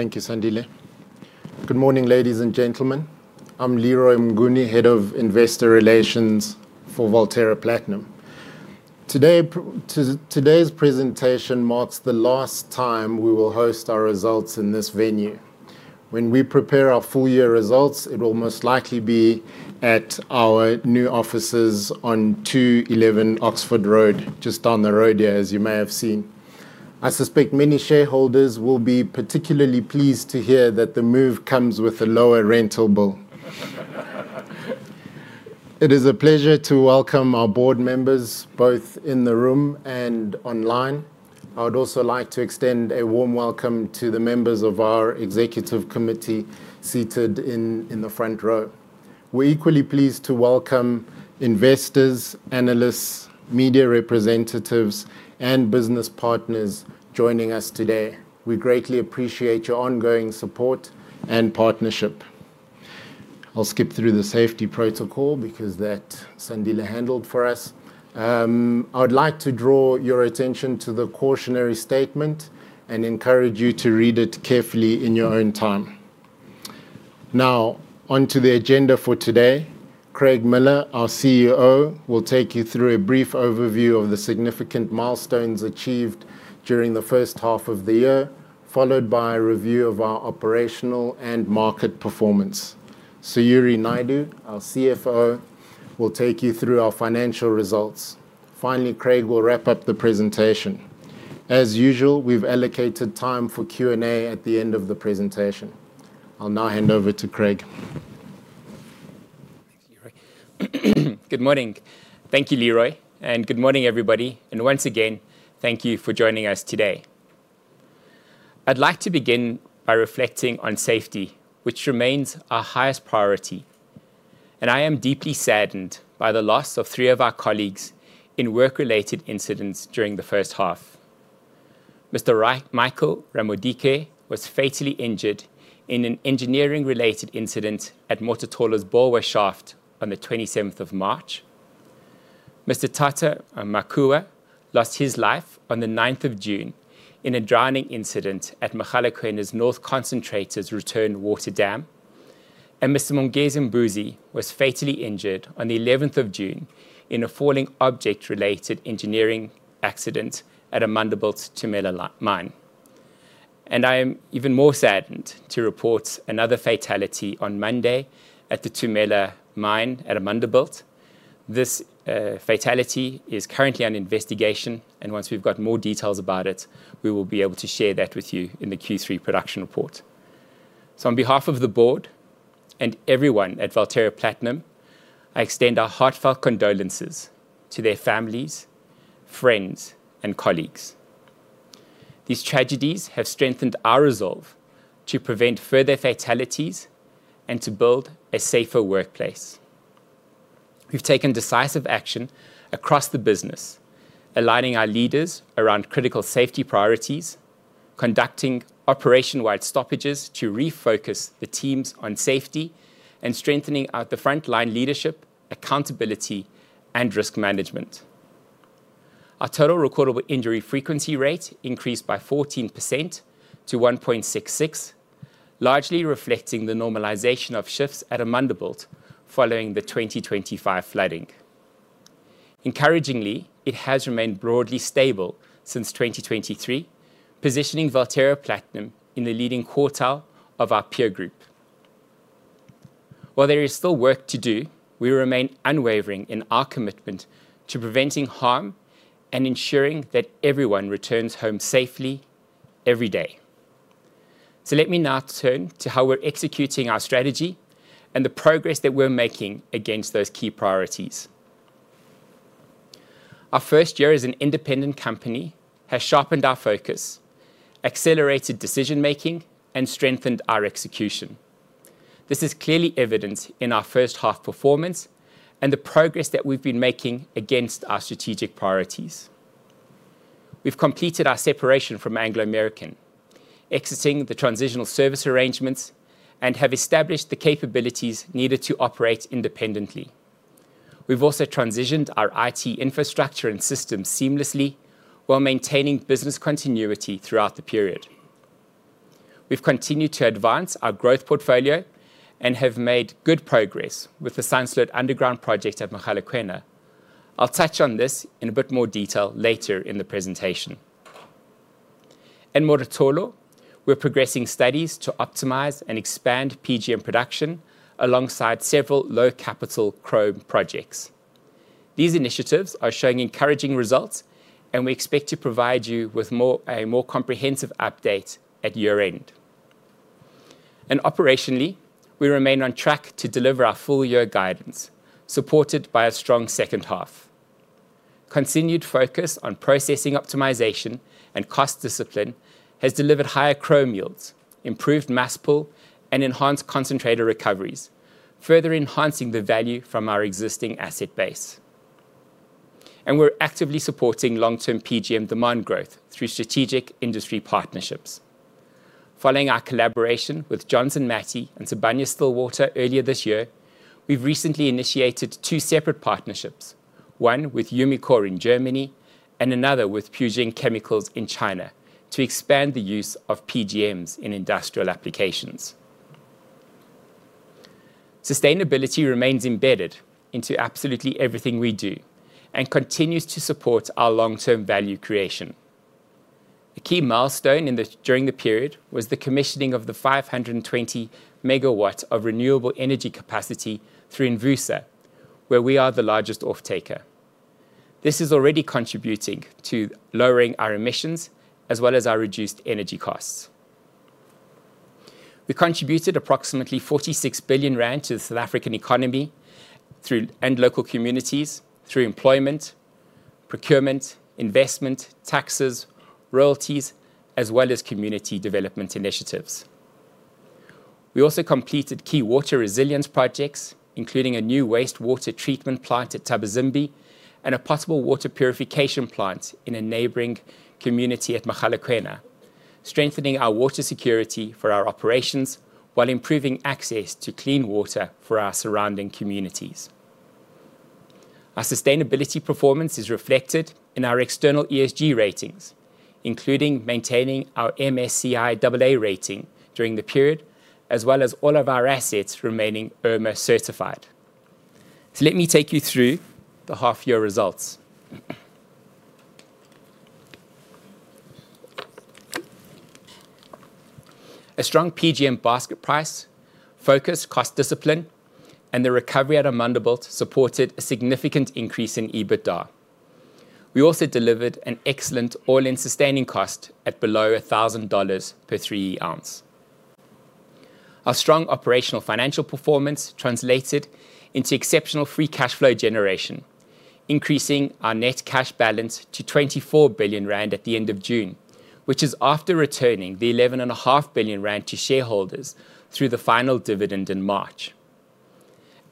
Thank you, Sandile. Good morning, ladies and gentlemen. I'm Leroy Mnguni, Head of Investor Relations for Valterra Platinum. Today's presentation marks the last time we will host our results in this venue. When we prepare our full year results, it will most likely be at our new offices on 211 Oxford Road, just down the road here, as you may have seen. I suspect many shareholders will be particularly pleased to hear that the move comes with a lower rental bill. It is a pleasure to welcome our board members, both in the room and online. I would also like to extend a warm welcome to the members of our executive committee seated in the front row. We're equally pleased to welcome investors, analysts, media representatives, and business partners joining us today. We greatly appreciate your ongoing support and partnership. I'll skip through the safety protocol because that Sandile handled for us. I would like to draw your attention to the cautionary statement and encourage you to read it carefully in your own time. On to the agenda for today. Craig Miller, our CEO, will take you through a brief overview of the significant milestones achieved during the first half of the year, followed by a review of our operational and market performance. Sayurie Naidoo, our CFO, will take you through our financial results. Finally, Craig will wrap up the presentation. As usual, we've allocated time for Q&A at the end of the presentation. I'll now hand over to Craig. Good morning. Thank you, Leroy. Good morning, everybody. Once again, thank you for joining us today. I'd like to begin by reflecting on safety, which remains our highest priority, and I am deeply saddened by the loss of three of our colleagues in work-related incidents during the first half. Mr. Michael Ramodike was fatally injured in an engineering related incident at Mototolo's Borwa shaft on the 27th of March. Mr. Thato Makuwa lost his life on the 9th of June in a drowning incident at Mogalakwena's North Concentrators return water dam, and Mr. Mongezi Mbusi was fatally injured on the 11th of June in a falling object related engineering accident at Amandelbult's Tumela mine. I am even more saddened to report another fatality on Monday at the Tumela mine at Amandelbult. This fatality is currently under investigation, once we've got more details about it, we will be able to share that with you in the Q3 production report. On behalf of the Board and everyone at Valterra Platinum, I extend our heartfelt condolences to their families, friends, and colleagues. These tragedies have strengthened our resolve to prevent further fatalities and to build a safer workplace. We've taken decisive action across the business, aligning our leaders around critical safety priorities, conducting operation-wide stoppages to refocus the teams on safety, and strengthening out the frontline leadership, accountability, and risk management. Our total recordable injury frequency rate increased by 14% to 1.66, largely reflecting the normalization of shifts at Amandelbult following the 2025 flooding. Encouragingly, it has remained broadly stable since 2023, positioning Valterra Platinum in the leading quartile of our peer group. While there is still work to do, we remain unwavering in our commitment to preventing harm and ensuring that everyone returns home safely every day. Let me now turn to how we're executing our strategy and the progress that we're making against those key priorities. Our first year as an independent company has sharpened our focus, accelerated decision making, and strengthened our execution. This is clearly evident in our first half performance and the progress that we've been making against our strategic priorities. We've completed our separation from Anglo American, exiting the transitional service arrangements, and have established the capabilities needed to operate independently. We've also transitioned our IT infrastructure and systems seamlessly while maintaining business continuity throughout the period. We've continued to advance our growth portfolio and have made good progress with the Sandsloot underground project at Mogalakwena. I'll touch on this in a bit more detail later in the presentation. In Mototolo, we're progressing studies to optimize and expand PGM production alongside several low capital chrome projects. These initiatives are showing encouraging results, and we expect to provide you with a more comprehensive update at year-end. Operationally, we remain on track to deliver our full year guidance, supported by a strong second half. Continued focus on processing optimization and cost discipline has delivered higher chrome yields, improved mass pull, and enhanced concentrator recoveries, further enhancing the value from our existing asset base. We're actively supporting long-term PGM demand growth through strategic industry partnerships. Following our collaboration with Johnson Matthey and Sibanye-Stillwater earlier this year, we've recently initiated two separate partnerships, one with Umicore in Germany and another with Pujing Chemicals in China to expand the use of PGMs in industrial applications. Sustainability remains embedded into absolutely everything we do and continues to support our long-term value creation. A key milestone during the period was the commissioning of the 520 MW of renewable energy capacity through Envusa, where we are the largest off-taker. This is already contributing to lowering our emissions as well as our reduced energy costs. We contributed approximately 46 billion rand to the South African economy and local communities through employment, procurement, investment, taxes, royalties, as well as community development initiatives. We also completed key water resilience projects, including a new wastewater treatment plant at Thabazimbi and a potable water purification plant in a neighboring community at Mogalakwena, strengthening our water security for our operations while improving access to clean water for our surrounding communities. Our sustainability performance is reflected in our external ESG ratings, including maintaining our MSCI AA rating during the period, as well as all of our assets remaining IRMA certified. Let me take you through the half year results. A strong PGM basket price, focused cost discipline, and the recovery at Amandelbult supported a significant increase in EBITDA. We also delivered an excellent all-in sustaining cost at below $1,000 per 3E ounce. Our strong operational financial performance translated into exceptional free cash flow generation, increasing our net cash balance to 24 billion rand at the end of June, which is after returning the 11.5 billion rand to shareholders through the final dividend in March.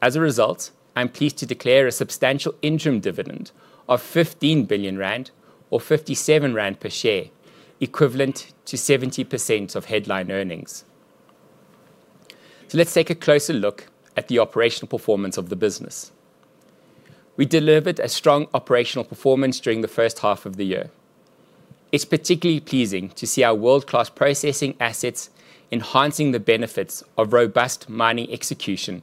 As a result, I'm pleased to declare a substantial interim dividend of 15 billion rand or 57 rand per share, equivalent to 70% of headline earnings. Let's take a closer look at the operational performance of the business. We delivered a strong operational performance during the first half of the year. It is particularly pleasing to see our world-class processing assets enhancing the benefits of robust mining execution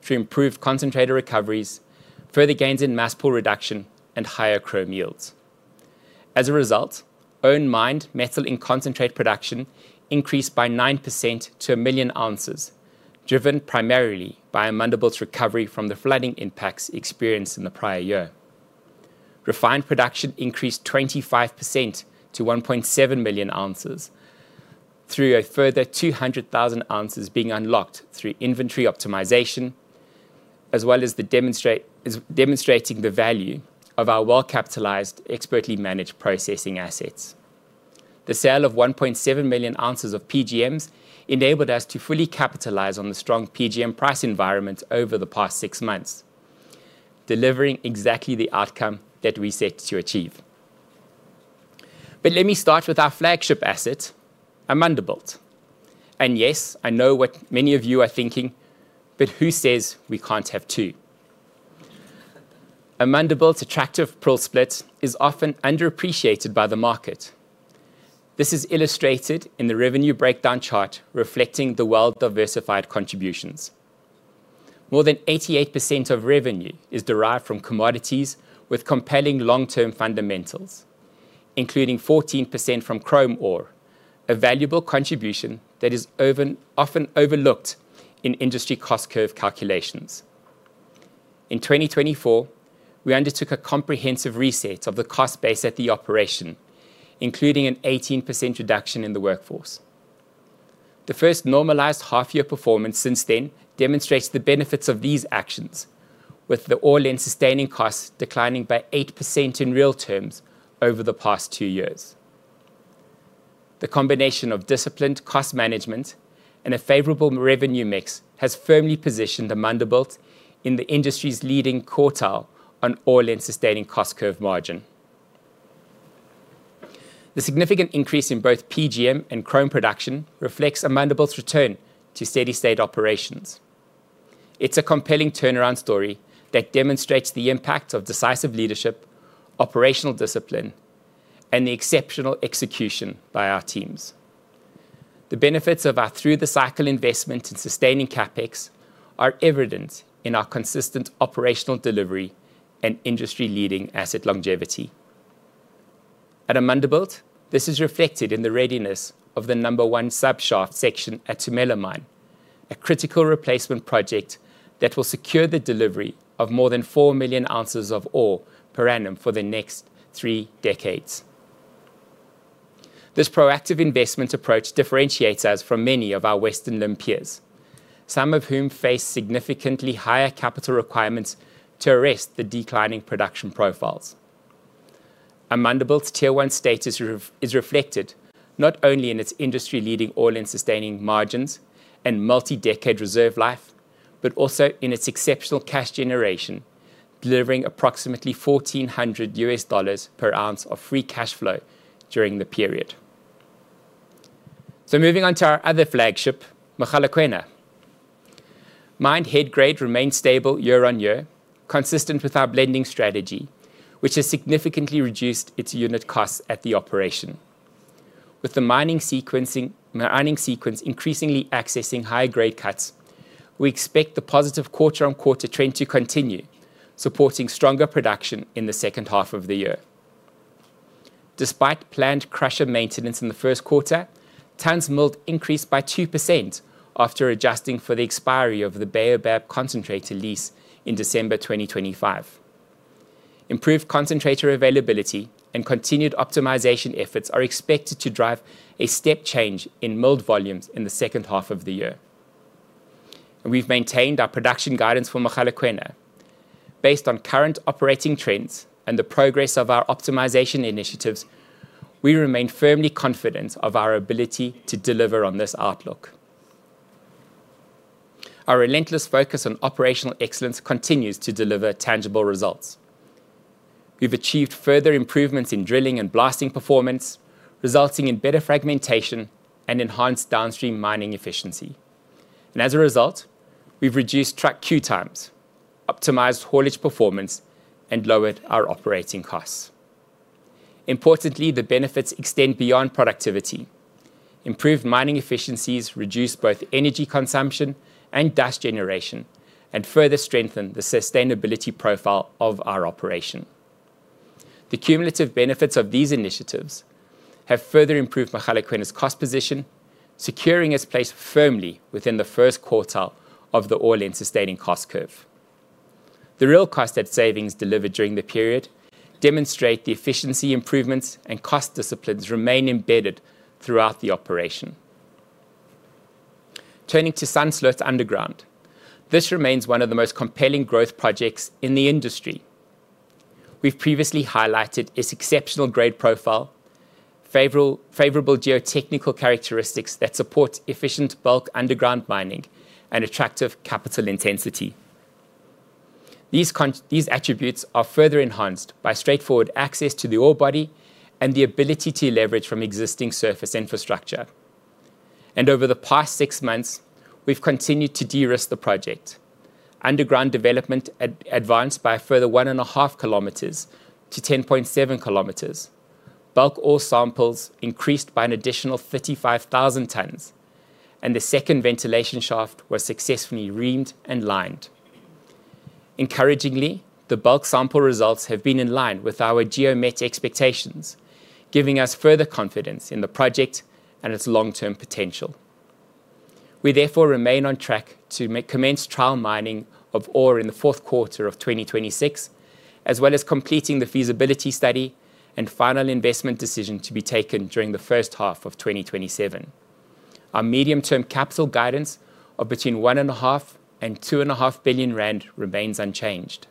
through improved concentrator recoveries, further gains in mass pull reduction, and higher chrome yields. As a result, owned mined metal in concentrate production increased by 9% to 1 million ounces, driven primarily by Amandelbult's recovery from the flooding impacts experienced in the prior year. Refined production increased 25% to 1.7 million ounces through a further 200,000 oz being unlocked through inventory optimization, as well as demonstrating the value of our well capitalized, expertly managed processing assets. The sale of 1.7 million ounces of PGMs enabled us to fully capitalize on the strong PGM price environment over the past six months, delivering exactly the outcome that we set to achieve. Let me start with our flagship asset, Amandelbult. Yes, I know what many of you are thinking, who says we cannot have two? Amandelbult's attractive profit split is often underappreciated by the market. This is illustrated in the revenue breakdown chart reflecting the well-diversified contributions. More than 88% of revenue is derived from commodities with compelling long-term fundamentals, including 14% from chrome ore, a valuable contribution that is often overlooked in industry cost curve calculations. In 2024, we undertook a comprehensive reset of the cost base at the operation, including an 18% reduction in the workforce. The first normalized half year performance since then demonstrates the benefits of these actions, with the all-in sustaining costs declining by 8% in real terms over the past two years. The combination of disciplined cost management and a favorable revenue mix has firmly positioned Amandelbult in the industry's leading quartile on all-in sustaining cost curve margin. The significant increase in both PGM and chrome production reflects Amandelbult's return to steady-state operations. It is a compelling turnaround story that demonstrates the impact of decisive leadership, operational discipline, and the exceptional execution by our teams. The benefits of our through-the-cycle investment in sustaining CapEx are evident in our consistent operational delivery and industry-leading asset longevity. At Amandelbult, this is reflected in the readiness of the number 1 sub shaft section at Tumela mine, a critical replacement project that will secure the delivery of more than 4 million ounces of ore per annum for the next three decades. This proactive investment approach differentiates us from many of our Western peers, some of whom face significantly higher capital requirements to arrest the declining production profiles. Amandelbult's Tier 1 status is reflected not only in its industry leading all-in sustaining margins and multi-decade reserve life, but also in its exceptional cash generation, delivering approximately $1,400 per ounce of free cash flow during the period. Moving on to our other flagship, Mogalakwena. Mined head grade remained stable year-on-year, consistent with our blending strategy, which has significantly reduced its unit costs at the operation. With the mining sequence increasingly accessing higher grade cuts, we expect the positive quarter-on-quarter trend to continue, supporting stronger production in the second half of the year. Despite planned crusher maintenance in the first quarter, tons milled increased by 2% after adjusting for the expiry of the Baobab concentrator lease in December 2025. Improved concentrator availability and continued optimization efforts are expected to drive a step change in milled volumes in the second half of the year. We've maintained our production guidance for Mogalakwena. Based on current operating trends and the progress of our optimization initiatives, we remain firmly confident of our ability to deliver on this outlook. Our relentless focus on operational excellence continues to deliver tangible results. We've achieved further improvements in drilling and blasting performance, resulting in better fragmentation and enhanced downstream mining efficiency. As a result, we've reduced truck queue times, optimized haulage performance, and lowered our operating costs. Importantly, the benefits extend beyond productivity. Improved mining efficiencies reduce both energy consumption and dust generation and further strengthen the sustainability profile of our operation. The cumulative benefits of these initiatives have further improved Mogalakwena's cost position, securing its place firmly within the first quartile of the all-in sustaining cost curve. The real cost savings delivered during the period demonstrate the efficiency improvements, and cost disciplines remain embedded throughout the operation. Turning to Sandsloot underground, this remains one of the most compelling growth projects in the industry. We've previously highlighted its exceptional grade profile, favorable geotechnical characteristics that support efficient bulk underground mining, and attractive capital intensity. These attributes are further enhanced by straightforward access to the ore body and the ability to leverage from existing surface infrastructure. Over the past six months, we've continued to de-risk the project. Underground development advanced by a further 1.5 km to 10.7 km. Bulk ore samples increased by an additional 35,000 tons, and the second ventilation shaft was successfully reamed and lined. Encouragingly, the bulk sample results have been in line with our geomet expectations, giving us further confidence in the project and its long-term potential. We therefore remain on track to commence trial mining of ore in the fourth quarter of 2026, as well as completing the feasibility study and final investment decision to be taken during the first half of 2027. Our medium-term capital guidance of between 1.5 billion-2.5 billion rand remains unchanged.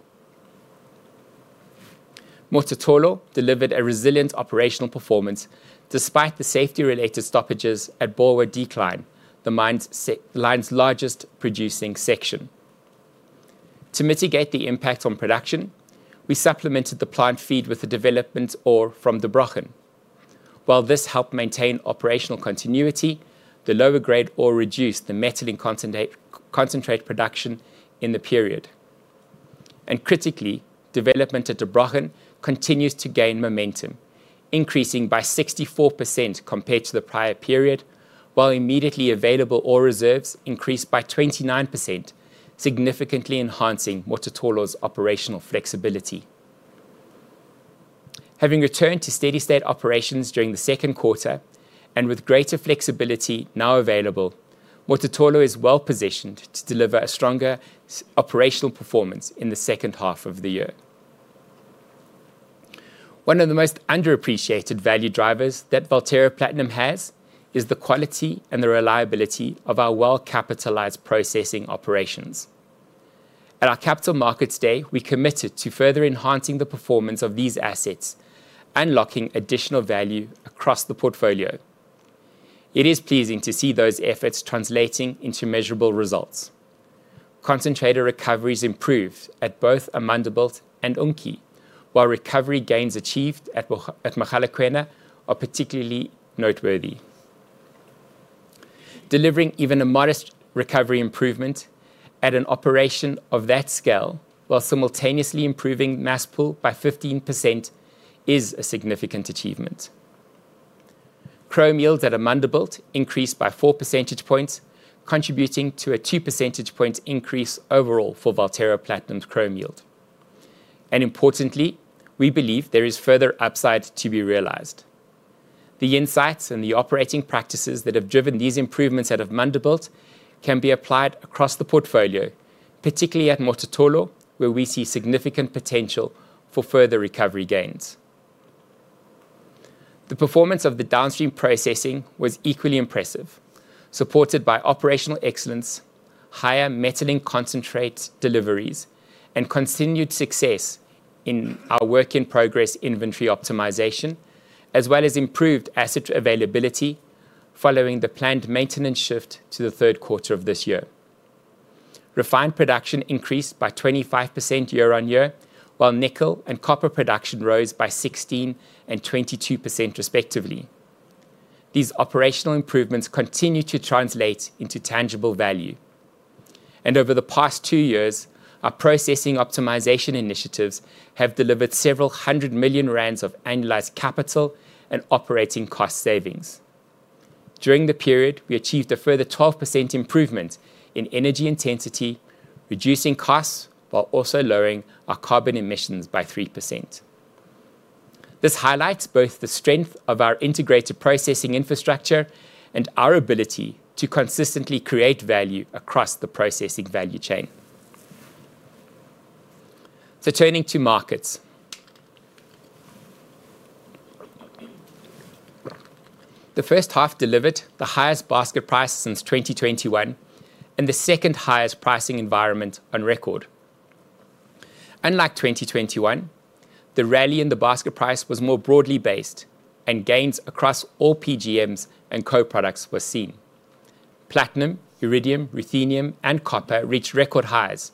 Mototolo delivered a resilient operational performance despite the safety related stoppages at Borwa Decline, the line's largest producing section. To mitigate the impact on production, we supplemented the plant feed with the development ore from Der Brochen. While this helped maintain operational continuity, the lower grade ore reduced the metal-in-concentrate production in the period. Critically, development at Der Brochen continues to gain momentum, increasing by 64% compared to the prior period, while immediately available ore reserves increased by 29%, significantly enhancing Mototolo's operational flexibility. Having returned to steady-state operations during the second quarter, and with greater flexibility now available, Mototolo is well-positioned to deliver a stronger operational performance in the second half of the year. One of the most underappreciated value drivers that Valterra Platinum has is the quality and the reliability of our well-capitalized processing operations. At our Capital Markets Day, we committed to further enhancing the performance of these assets, unlocking additional value across the portfolio. It is pleasing to see those efforts translating into measurable results. Concentrator recoveries improved at both Amandelbult and Unki, while recovery gains achieved at Mogalakwena are particularly noteworthy. Delivering even a modest recovery improvement at an operation of that scale while simultaneously improving mass pull by 15% is a significant achievement. Chrome yields at Amandelbult increased by 4 percentage points, contributing to a 2 percentage point increase overall for Valterra Platinum's chrome yield. Importantly, we believe there is further upside to be realized. The insights and the operating practices that have driven these improvements out of Amandelbult can be applied across the portfolio, particularly at Mototolo, where we see significant potential for further recovery gains. The performance of the downstream processing was equally impressive, supported by operational excellence, higher metal-in-concentrate deliveries, and continued success in our work in progress inventory optimization, as well as improved asset availability following the planned maintenance shift to the third quarter of this year. Refined production increased by 25% year-on-year, while nickel and copper production rose by 16% and 22% respectively. These operational improvements continue to translate into tangible value. Over the past two years, our processing optimization initiatives have delivered several hundred million rand of annualized capital and operating cost savings. During the period, we achieved a further 12% improvement in energy intensity, reducing costs while also lowering our carbon emissions by 3%. This highlights both the strength of our integrated processing infrastructure and our ability to consistently create value across the processing value chain. Turning to markets. The first half delivered the highest basket price since 2021 and the second highest pricing environment on record. Unlike 2021, the rally in the basket price was more broadly based, and gains across all PGMs and co-products were seen. Platinum, iridium, ruthenium, and copper reached record highs,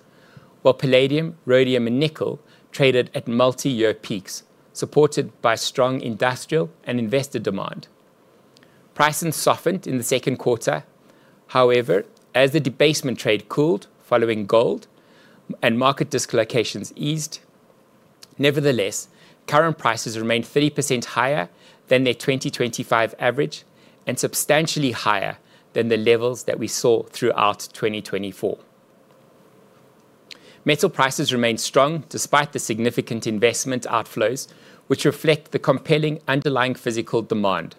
while palladium, rhodium, and nickel traded at multiyear peaks, supported by strong industrial and investor demand. Pricing softened in the second quarter, however, as the debasement trade cooled following gold and market dislocations eased. Nevertheless, current prices remain 30% higher than their 2025 average and substantially higher than the levels that we saw throughout 2024. Metal prices remained strong despite the significant investment outflows, which reflect the compelling underlying physical demand.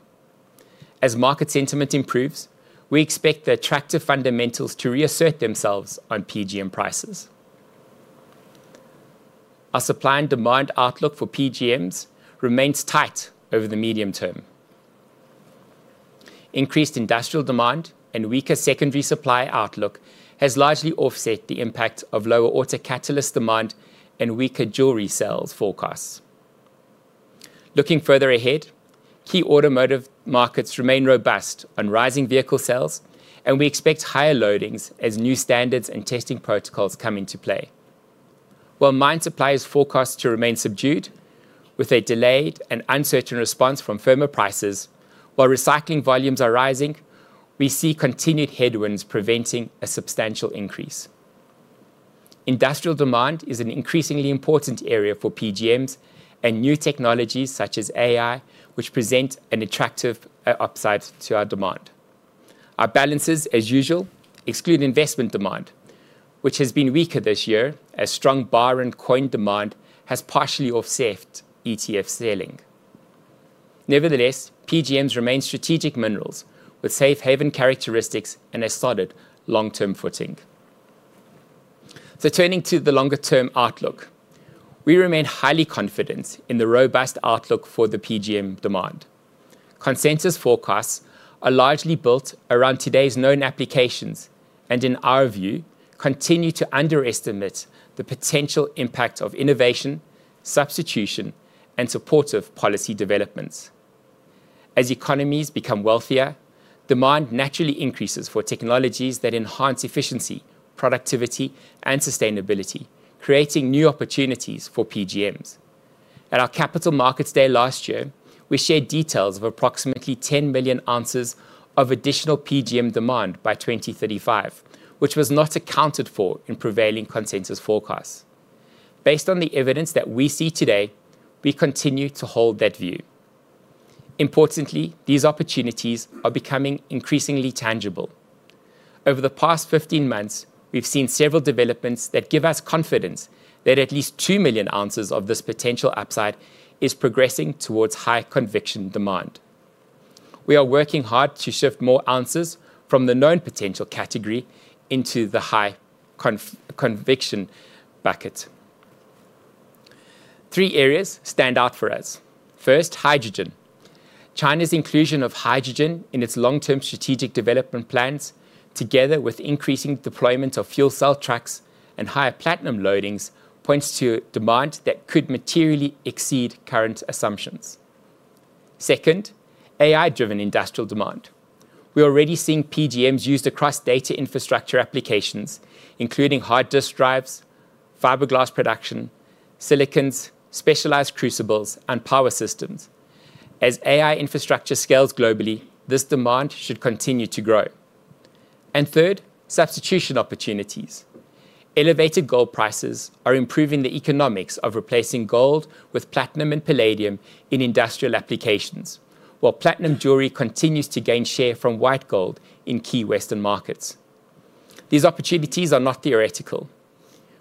As market sentiment improves, we expect the attractive fundamentals to reassert themselves on PGM prices. Our supply and demand outlook for PGMs remains tight over the medium term. Increased industrial demand and weaker secondary supply outlook has largely offset the impact of lower auto catalyst demand and weaker jewelry sales forecasts. Looking further ahead, key automotive markets remain robust on rising vehicle sales, and we expect higher loadings as new standards and testing protocols come into play. While mine supply is forecast to remain subdued, with a delayed and uncertain response from firmer prices while recycling volumes are rising, we see continued headwinds preventing a substantial increase. Industrial demand is an increasingly important area for PGMs and new technologies such as AI, which present an attractive upside to our demand. Our balances, as usual, exclude investment demand, which has been weaker this year as strong bar and coin demand has partially offset ETF selling. Nevertheless, PGMs remain strategic minerals with safe haven characteristics and a solid long-term footing. Turning to the longer-term outlook, we remain highly confident in the robust outlook for the PGM demand. Consensus forecasts are largely built around today's known applications and, in our view, continue to underestimate the potential impact of innovation, substitution, and supportive policy developments. As economies become wealthier, demand naturally increases for technologies that enhance efficiency, productivity, and sustainability, creating new opportunities for PGMs. At our Capital Markets Day last year, we shared details of approximately 10 million ounces of additional PGM demand by 2035, which was not accounted for in prevailing consensus forecasts. Based on the evidence that we see today, we continue to hold that view. Importantly, these opportunities are becoming increasingly tangible. Over the past 15 months, we've seen several developments that give us confidence that at least 2 million ounces of this potential upside is progressing towards high conviction demand. We are working hard to shift more ounces from the known potential category into the high conviction bucket. Three areas stand out for us. First, hydrogen. China's inclusion of hydrogen in its long-term strategic development plans, together with increasing deployment of fuel cell trucks and higher platinum loadings, points to demand that could materially exceed current assumptions. Second, AI driven industrial demand. We are already seeing PGMs used across data infrastructure applications, including hard disk drives, fiberglass production, silicons, specialized crucibles, and power systems. As AI infrastructure scales globally, this demand should continue to grow. And third, substitution opportunities. Elevated gold prices are improving the economics of replacing gold with platinum and palladium in industrial applications, while platinum jewelry continues to gain share from white gold in key Western markets. These opportunities are not theoretical.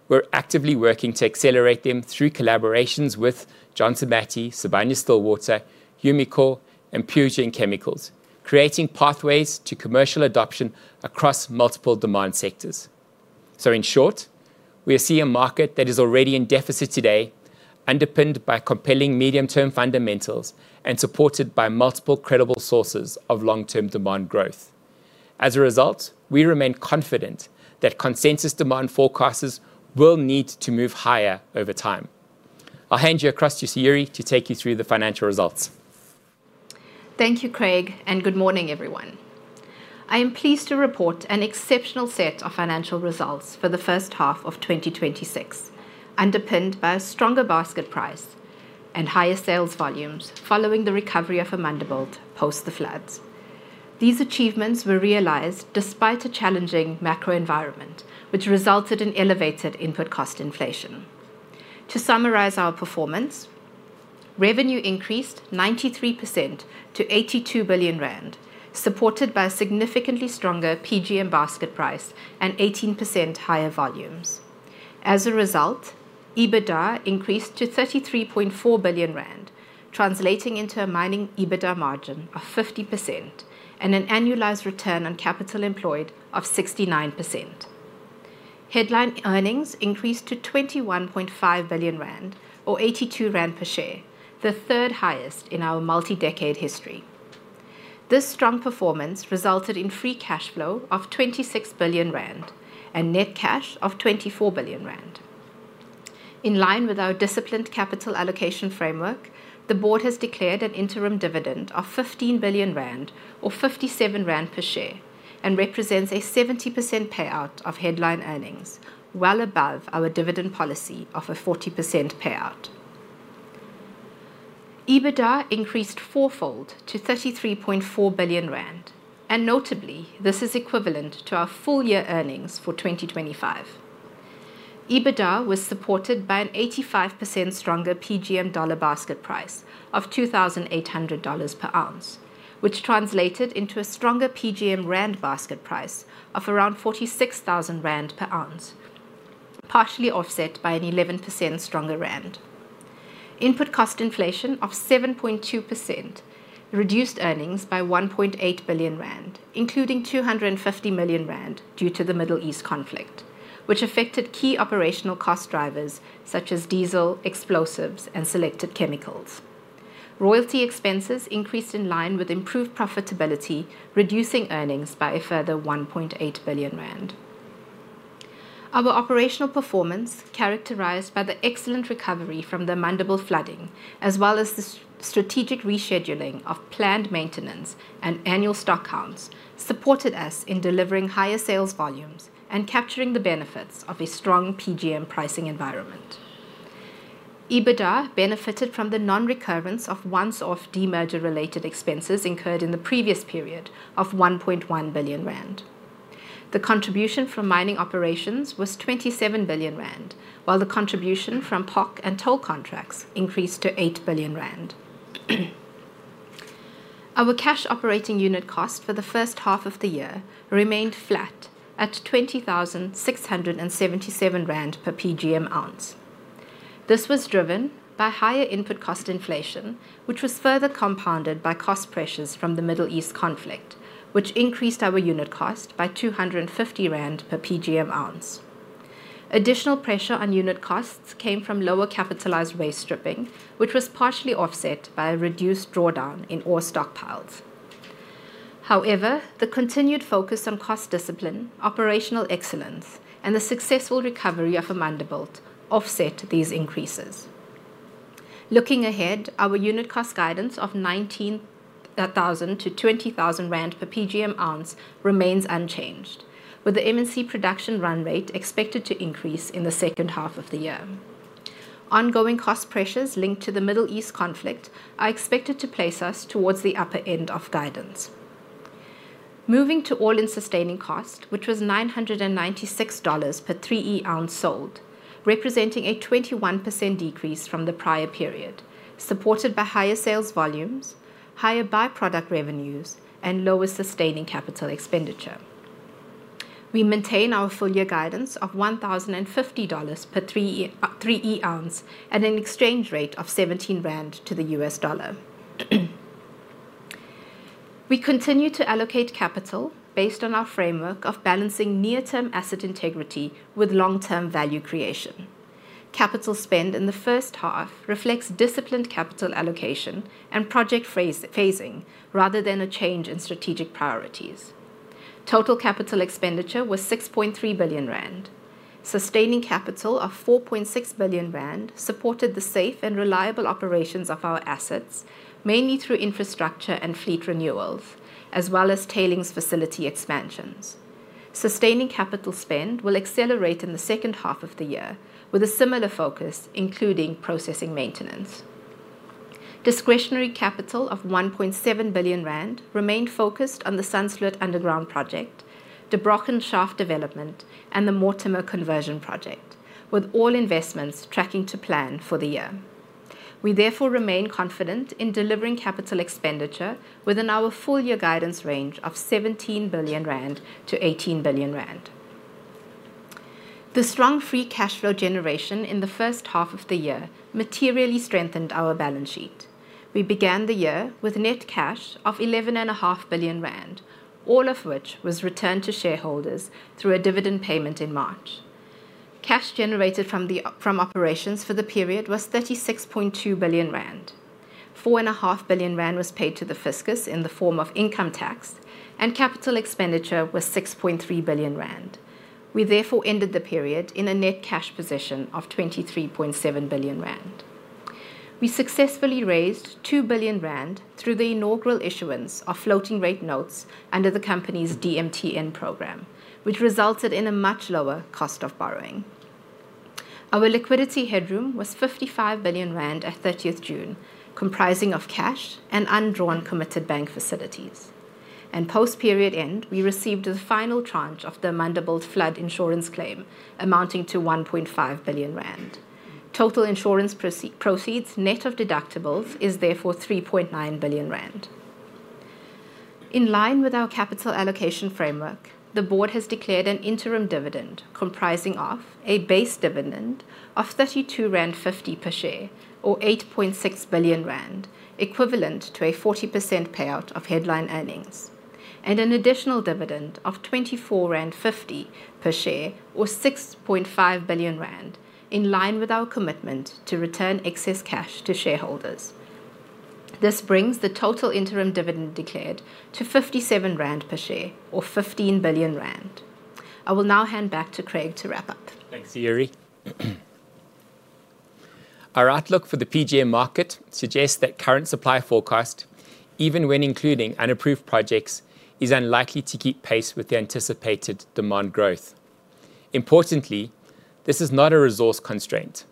We're actively working to accelerate them through collaborations with Johnson Matthey, Sibanye-Stillwater, Umicore, and Pujing Chemicals, creating pathways to commercial adoption across multiple demand sectors. In short, we see a market that is already in deficit today, underpinned by compelling medium-term fundamentals, and supported by multiple credible sources of long-term demand growth. As a result, we remain confident that consensus demand forecasters will need to move higher over time. I'll hand you across to Sayurie to take you through the financial results. Thank you, Craig, good morning, everyone. I am pleased to report an exceptional set of financial results for the first half of 2026, underpinned by a stronger basket price and higher sales volumes following the recovery of Amandelbult post the floods. These achievements were realized despite a challenging macro environment, which resulted in elevated input cost inflation. To summarize our performance, revenue increased 93% to 82 billion rand, supported by a significantly stronger PGM basket price and 18% higher volumes. As a result, EBITDA increased to 33.4 billion rand, translating into a mining EBITDA margin of 50% and an annualized return on capital employed of 69%. Headline earnings increased to 21.5 billion rand, or 82 rand per share, the third highest in our multi-decade history. This strong performance resulted in free cash flow of 26 billion rand and net cash of 24 billion rand. In line with our disciplined capital allocation framework, the Board has declared an interim dividend of 15 billion rand or 57 rand per share, represents a 70% payout of headline earnings, well above our dividend policy of a 40% payout. EBITDA increased fourfold to 33.4 billion rand, notably, this is equivalent to our full year earnings for 2025. EBITDA was supported by an 85% stronger PGM dollar basket price of $2,800 per ounce, which translated into a stronger PGM rand basket price of around 46,000 rand per ounce, partially offset by an 11% stronger rand. Input cost inflation of 7.2% reduced earnings by 1.8 billion rand, including 250 million rand due to the Middle East conflict, which affected key operational cost drivers such as diesel, explosives, and selected chemicals. Royalty expenses increased in line with improved profitability, reducing earnings by a further 1.8 billion rand. Our operational performance, characterized by the excellent recovery from the Amandelbult flooding, as well as the strategic rescheduling of planned maintenance and annual stock counts, supported us in delivering higher sales volumes and capturing the benefits of a strong PGM pricing environment. EBITDA benefited from the non-recurrence of once-off demerger-related expenses incurred in the previous period of 1.1 billion rand. The contribution from mining operations was 27 billion rand, while the contribution from POC and toll contracts increased to 8 billion rand. Our cash operating unit cost for the first half of the year remained flat at 20,677 rand per PGM ounce. This was driven by higher input cost inflation, which was further compounded by cost pressures from the Middle East conflict, which increased our unit cost by 250 rand per PGM ounce. Additional pressure on unit costs came from lower capitalized waste stripping, which was partially offset by a reduced drawdown in ore stockpiles. The continued focus on cost discipline, operational excellence, and the successful recovery of Amandelbult offset these increases. Looking ahead, our unit cost guidance of 19,000-20,000 rand per PGM ounce remains unchanged, with the M&C production run rate expected to increase in the second half of the year. Ongoing cost pressures linked to the Middle East conflict are expected to place us towards the upper end of guidance. All-in sustaining cost, which was $996 per 3E ounce sold, representing a 21% decrease from the prior period, supported by higher sales volumes, higher by-product revenues, and lower sustaining capital expenditure. We maintain our full year guidance of $1,050 per 3E ounce at an exchange rate of 17 rand to the U.S. dollar. We continue to allocate capital based on our framework of balancing near-term asset integrity with long-term value creation. Capital spend in the first half reflects disciplined capital allocation and project phasing rather than a change in strategic priorities. Total capital expenditure was 6.3 billion rand. Sustaining capital of 4.6 billion rand supported the safe and reliable operations of our assets, mainly through infrastructure and fleet renewals, as well as tailings facility expansions. Sustaining capital spend will accelerate in the second half of the year with a similar focus, including processing maintenance. Discretionary capital of 1.7 billion rand remained focused on the Sandsloot underground project, the Der Brochen shaft development, and the Mortimer conversion project, with all investments tracking to plan for the year. We remain confident in delivering capital expenditure within our full year guidance range of 17 billion-18 billion rand. The strong free cash flow generation in the first half of the year materially strengthened our balance sheet. We began the year with net cash of 11.5 billion rand, all of which was returned to shareholders through a dividend payment in March. Cash generated from operations for the period was 36.2 billion rand. 4.5 billion rand was paid to the fiscus in the form of income tax, and capital expenditure was 6.3 billion rand. We therefore ended the period in a net cash position of 23.7 billion rand. We successfully raised 2 billion rand through the inaugural issuance of floating rate notes under the company's DMTN program, which resulted in a much lower cost of borrowing. Our liquidity headroom was 55 billion rand at 30th June, comprising of cash and undrawn committed bank facilities. Post-period end, we received the final tranche of the Amandelbult flood insurance claim, amounting to 1.5 billion rand. Total insurance proceeds net of deductibles is therefore 3.9 billion rand. In line with our capital allocation framework, the Board has declared an interim dividend comprising of a base dividend of 32.50 rand per share, or 8.6 billion rand, equivalent to a 40% payout of headline earnings, and an additional dividend of 24.50 rand per share, or 6.5 billion rand, in line with our commitment to return excess cash to shareholders. This brings the total interim dividend declared to 57 rand per share, or 15 billion rand. I will now hand back to Craig to wrap up. Thanks, Sayurie. Our outlook for the PGM market suggests that current supply forecast, even when including unapproved projects, is unlikely to keep pace with the anticipated demand growth. Importantly, this is not a resource constraint.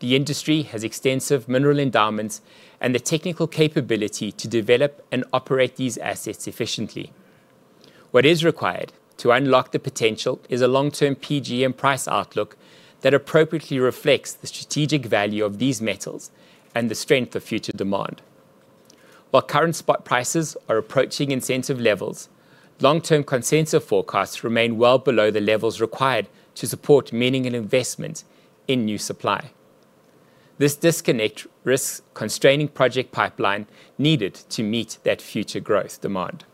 The industry has extensive mineral endowments and the technical capability to develop and operate these assets efficiently. What is required to unlock the potential is a long-term PGM price outlook that appropriately reflects the strategic value of these metals and the strength of future demand. While current spot prices are approaching incentive levels, long-term consensus forecasts remain well below the levels required to support meaningful investment in new supply. This disconnect risks constraining project pipeline needed to meet that future growth demand.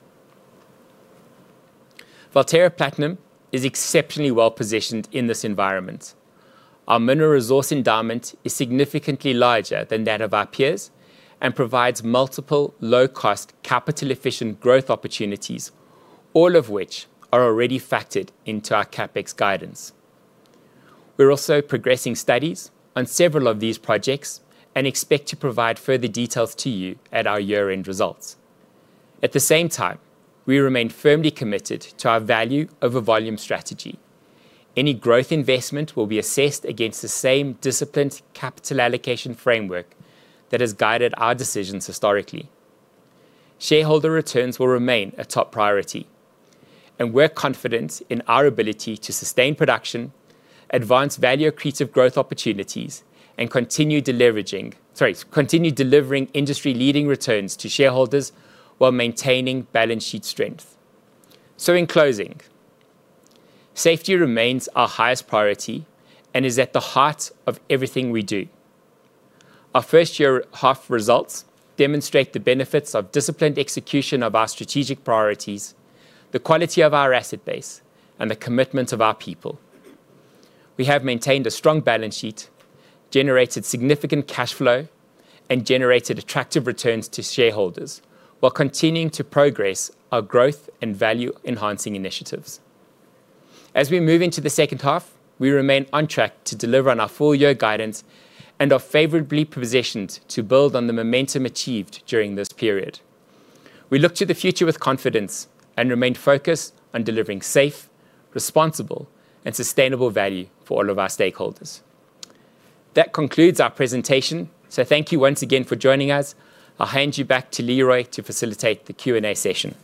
Valterra Platinum is exceptionally well-positioned in this environment. Our mineral resource endowment is significantly larger than that of our peers and provides multiple low-cost, capital-efficient growth opportunities, all of which are already factored into our CapEx guidance. We are also progressing studies on several of these projects and expect to provide further details to you at our year-end results. At the same time, we remain firmly committed to our value over volume strategy. Any growth investment will be assessed against the same disciplined capital allocation framework that has guided our decisions historically. Shareholder returns will remain a top priority, and we are confident in our ability to sustain production, advance value-accretive growth opportunities, and continue delivering industry-leading returns to shareholders while maintaining balance sheet strength. In closing, safety remains our highest priority and is at the heart of everything we do. Our first-year half results demonstrate the benefits of disciplined execution of our strategic priorities, the quality of our asset base, and the commitment of our people. We have maintained a strong balance sheet, generated significant cash flow, and generated attractive returns to shareholders while continuing to progress our growth and value-enhancing initiatives. As we move into the second half, we remain on track to deliver on our full-year guidance and are favorably positioned to build on the momentum achieved during this period. We look to the future with confidence and remain focused on delivering safe, responsible, and sustainable value for all of our stakeholders. That concludes our presentation. Thank you once again for joining us. I'll hand you back to Leroy to facilitate the Q&A session.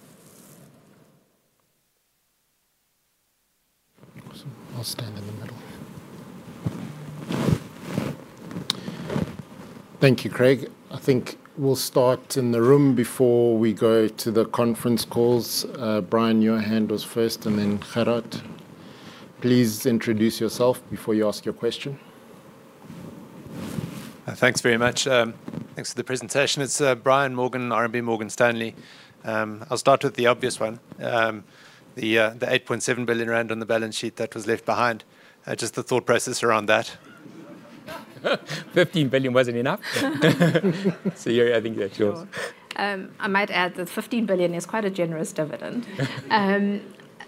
I'll stand in the middle. Thank you, Craig. I think we'll start in the room before we go to the conference calls. Brian, your hand was first, and then Gerhard. Please introduce yourself before you ask your question. Thanks very much. Thanks for the presentation. It's Brian Morgan, RMB Morgan Stanley. I'll start with the obvious one. The 8.7 billion rand on the balance sheet that was left behind, just the thought process around that. 15 billion wasn't enough. Sayurie, I think that's yours. Sure. I might add that 15 billion is quite a generous dividend.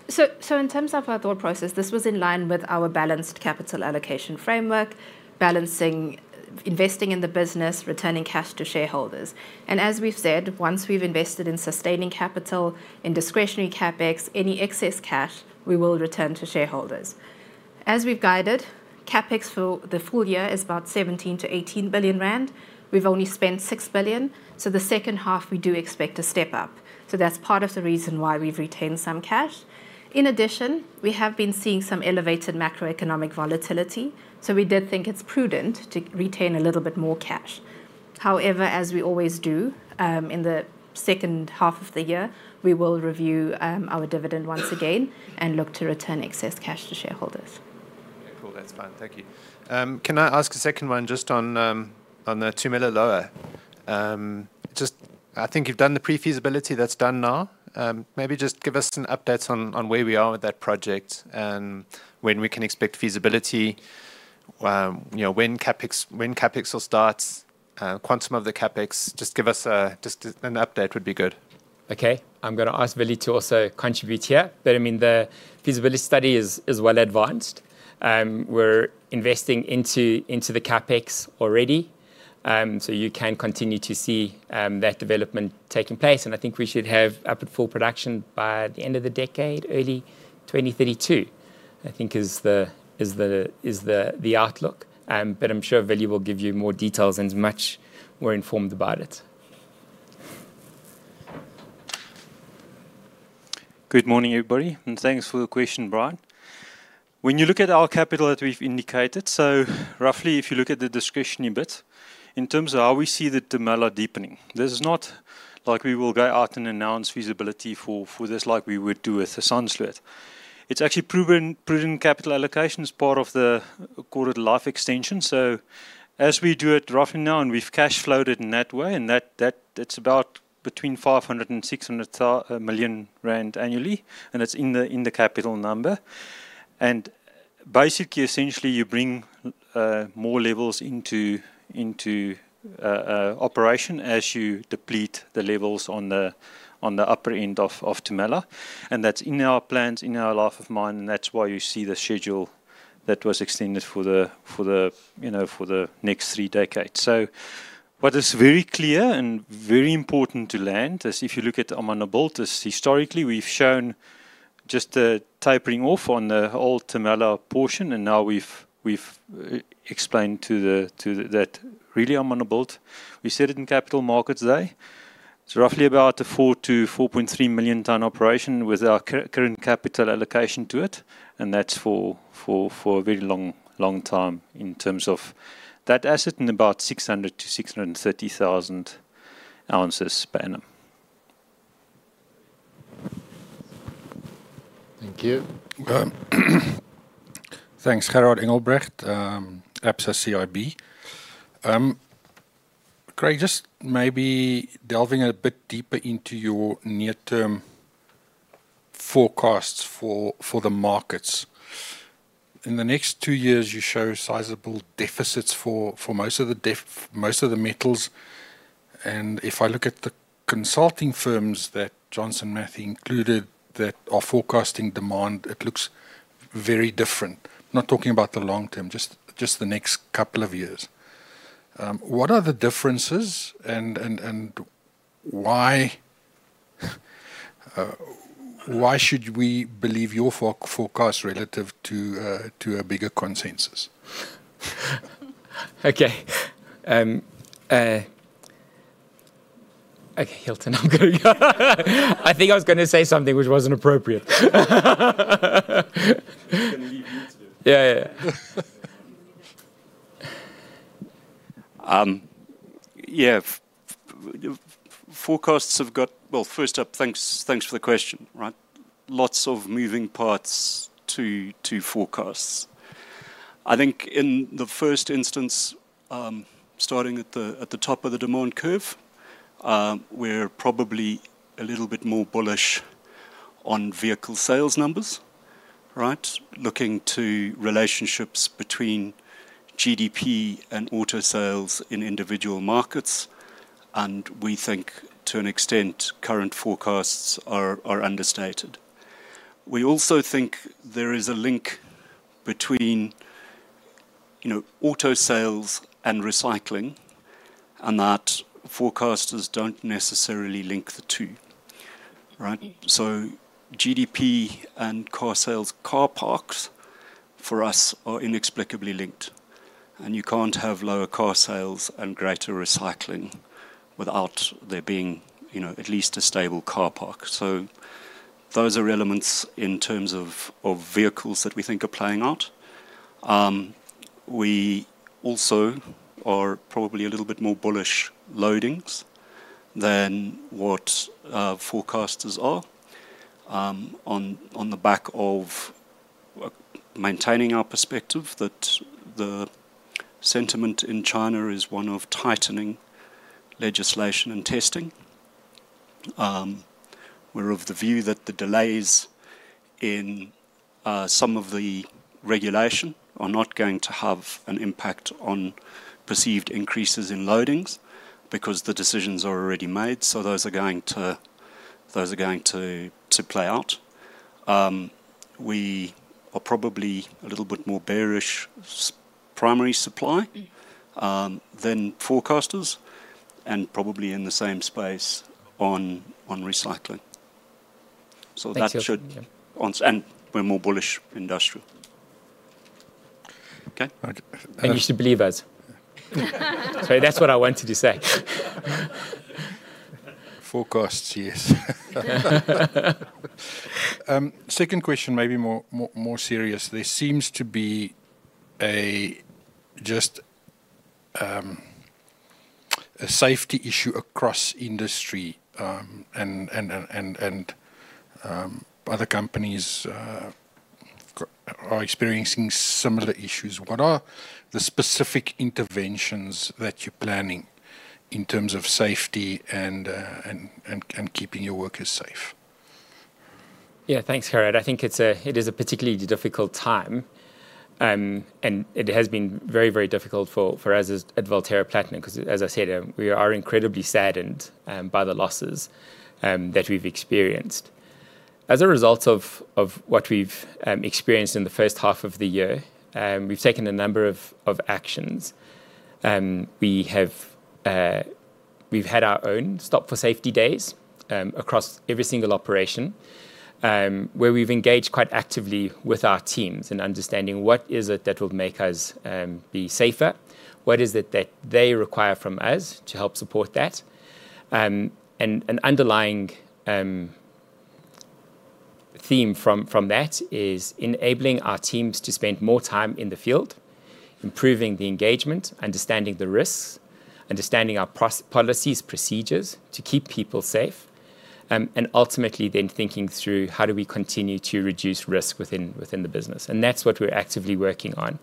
In terms of our thought process, this was in line with our balanced capital allocation framework, balancing investing in the business, returning cash to shareholders. As we've said, once we've invested in sustaining capital, in discretionary CapEx, any excess cash, we will return to shareholders. As we've guided, CapEx for the full year is about 17 billion-18 billion rand. We've only spent 6 billion, the second half, we do expect to step up. That's part of the reason why we've retained some cash. In addition, we have been seeing some elevated macroeconomic volatility, we did think it's prudent to retain a little bit more cash. However, as we always do, in the second half of the year, we will review our dividend once again and look to return excess cash to shareholders. Okay, cool. That's fine. Thank you. Can I ask a second one just on the Tumela Lower? I think you've done the pre-feasibility that's done now. Maybe just give us an update on where we are with that project and when we can expect feasibility. When CapEx will start, quantum of the CapEx, just an update would be good. Okay. I'm going to ask Willie to also contribute here, the feasibility study is well advanced. We're investing into the CapEx already, you can continue to see that development taking place. I think we should have up at full production by the end of the decade, early 2032, I think is the outlook. I'm sure Willie will give you more details and is much more informed about it. Good morning, everybody, and thanks for the question, Brian. When you look at our capital that we've indicated, roughly if you look at the discretionary bit, in terms of how we see the Tumela deepening. This is not like we will go out and announce feasibility for this like we would do with the Sandsloot. It's actually proven capital allocations part of the quarter life extension. As we do it roughly now, and we've cash flowed it in that way, and that's about between 500 million-600 million rand annually, and it's in the capital number. Basically, essentially you bring more levels into operation as you deplete the levels on the upper end of Tumela. That's in our plans, in our life of mine, and that's why you see the schedule that was extended for the next three decades. What is very clear and very important to land is if you look at Amandelbult, historically, we've shown just a tapering off on the old Tumela portion. Now we've explained to that really Amandelbult. We said it in Capital Markets Day. It's roughly about a 4 million-4.3 million ton operation with our current capital allocation to it. That's for a very long time in terms of that asset in about 600,000 oz-630,000 oz per annum. Thank you. Thanks, Gerhard Engelbrecht, Absa CIB. Craig, just maybe delving a bit deeper into your near-term forecasts for the markets. In the next two years, you show sizable deficits for most of the metals. If I look at the consulting firms that Johnson Matthey included that are forecasting demand, it looks very different. Not talking about the long term, just the next couple of years. What are the differences and why should we believe your forecast relative to a bigger consensus? Okay. Okay, Hilton, I think I was going to say something which wasn't appropriate. I was going to leave you to. Yeah. Forecasts. Well, first up, thanks for the question. Lots of moving parts to forecasts. I think in the first instance, starting at the top of the demand curve, we're probably a little bit more bullish on vehicle sales numbers. Looking to relationships between GDP and auto sales in individual markets, we think to an extent current forecasts are understated. We also think there is a link between auto sales and recycling, that forecasters don't necessarily link the two. GDP and car sales, car parks, for us are inexplicably linked. You can't have lower car sales and greater recycling without there being at least a stable car park. Those are elements in terms of vehicles that we think are playing out. We also are probably a little bit more bullish loadings than what forecasters are on the back of maintaining our perspective that the sentiment in China is one of tightening legislation and testing. We're of the view that the delays in some of the regulation are not going to have an impact on perceived increases in loadings because the decisions are already made. Those are going to play out. We are probably a little bit more bearish primary supply than forecasters, and probably in the same space on recycling. Thanks, Hilton. We're more bullish industrial. Okay. You should believe us. Sorry, that's what I wanted to say. Forecasts, yes. Second question, maybe more serious. There seems to be a safety issue across industry and other companies are experiencing similar issues. What are the specific interventions that you're planning in terms of safety and keeping your workers safe? Yeah, thanks, Gerhard. I think it is a particularly difficult time, and it has been very difficult for us at Valterra Platinum because, as I said, we are incredibly saddened by the losses that we've experienced. As a result of what we've experienced in the first half of the year, we've taken a number of actions. We've had our own stop for safety days across every single operation, where we've engaged quite actively with our teams in understanding what is it that will make us be safer, what is it that they require from us to help support that. An underlying theme from that is enabling our teams to spend more time in the field, improving the engagement, understanding the risks, understanding our policies, procedures to keep people safe, and ultimately, thinking through how do we continue to reduce risk within the business. That's what we're actively working on.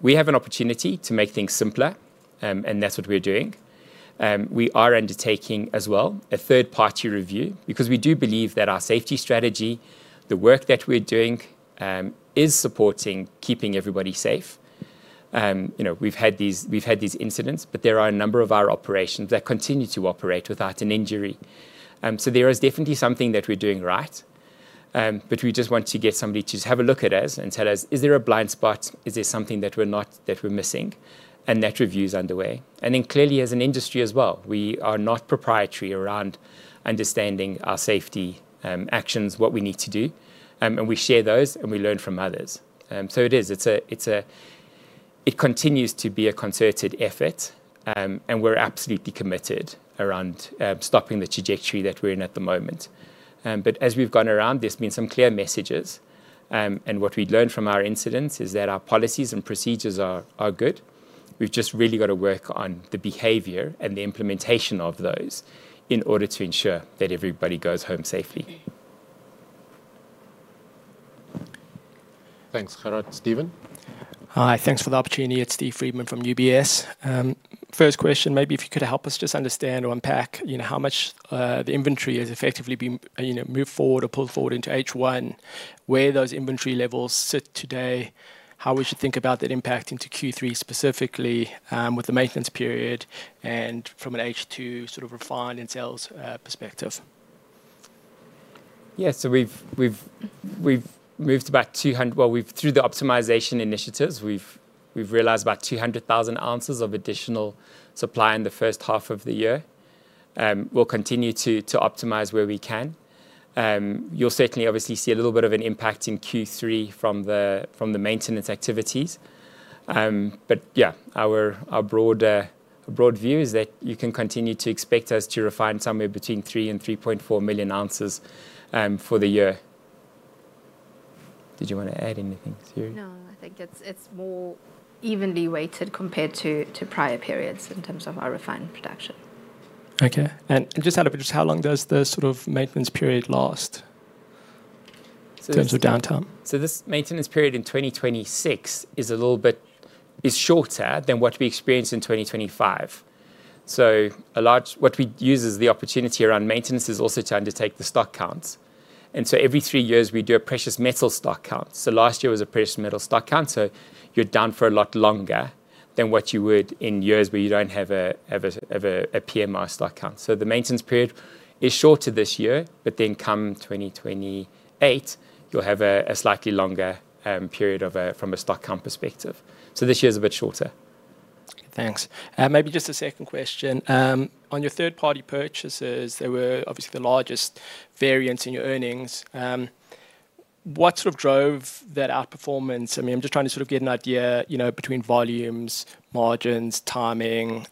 We have an opportunity to make things simpler, and that's what we're doing. We are undertaking as well a third-party review, because we do believe that our safety strategy, the work that we're doing, is supporting keeping everybody safe. We've had these incidents, but there are a number of our operations that continue to operate without an injury. There is definitely something that we're doing right. We just want to get somebody to have a look at us and tell us, "Is there a blind spot? Is there something that we're missing?" That review's underway. Clearly, as an industry as well, we are not proprietary around understanding our safety actions, what we need to do. We share those, and we learn from others. It is. It continues to be a concerted effort, and we're absolutely committed around stopping the trajectory that we're in at the moment. As we've gone around, there's been some clear messages. What we'd learned from our incidents is that our policies and procedures are good. We've just really got to work on the behavior and the implementation of those in order to ensure that everybody goes home safely. Thanks, Gerhard. Steven? Hi. Thanks for the opportunity. It's Steve Friedman from UBS. First question, maybe if you could help us just understand or unpack, how much the inventory has effectively been moved forward or pulled forward into H1, where those inventory levels sit today, how we should think about that impact into Q3, specifically, with the maintenance period and from an H2 sort of refined and sales perspective. Yeah. Through the optimization initiatives, we've realized about 200,000 oz of additional supply in the first half of the year. We'll continue to optimize where we can. You'll certainly obviously see a little bit of an impact in Q3 from the maintenance activities. Yeah, our broad view is that you can continue to expect us to refine somewhere between 3 million and 3.4 million ounces for the year. Did you want to add anything, Sayurie? No, I think it's more evenly weighted compared to prior periods in terms of our refined production. Okay. Just out of interest, how long does the sort of maintenance period last in terms of downtime? This maintenance period in 2026 is a little bit shorter than what we experienced in 2025. What we use is the opportunity around maintenance is also to undertake the stock counts. Every three years, we do a precious metals stock count. Last year was a precious metals stock count, you're down for a lot longer than what you would in years where you don't have a PM stock count. The maintenance period is shorter this year, but then come 2028, you'll have a slightly longer period from a stock count perspective. This year's a bit shorter. Thanks. Maybe just a second question. On your third-party purchases, they were obviously the largest variance in your earnings. What sort of drove that outperformance? I'm just trying to sort of get an idea, between volumes, margins, timing,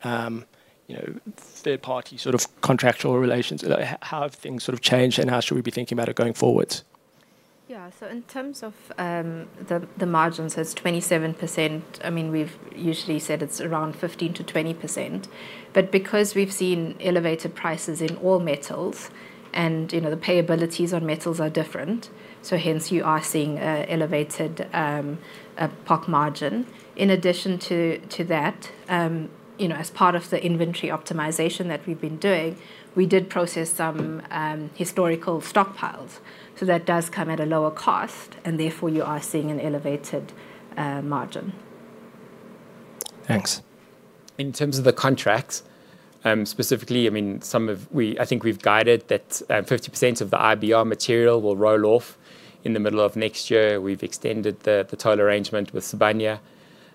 third-party sort of contractual relations. How have things sort of changed, and how should we be thinking about it going forward? Yeah. In terms of the margins, it's 27%. We've usually said it's around 15%-20%. Because we've seen elevated prices in all metals, and the payabilities on metals are different, hence you are seeing an elevated POC margin. In addition to that, as part of the inventory optimization that we've been doing, we did process some historical stockpiles. That does come at a lower cost, and therefore you are seeing an elevated margin. Thanks. In terms of the contracts, specifically, I think we've guided that 50% of the IBR material will roll off in the middle of next year. We've extended the toll arrangement with Sibanye.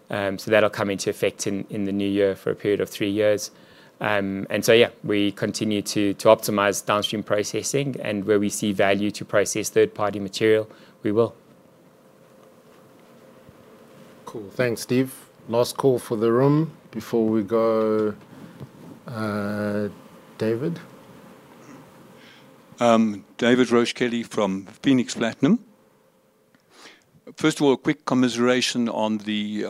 That'll come into effect in the new year for a period of three years. Yeah, we continue to optimize downstream processing, and where we see value to process third-party material, we will. Cool. Thanks, Steve. Last call for the room before we go. David? David Roche-Kelly from Phoenix Research. First of all, a quick commiseration on the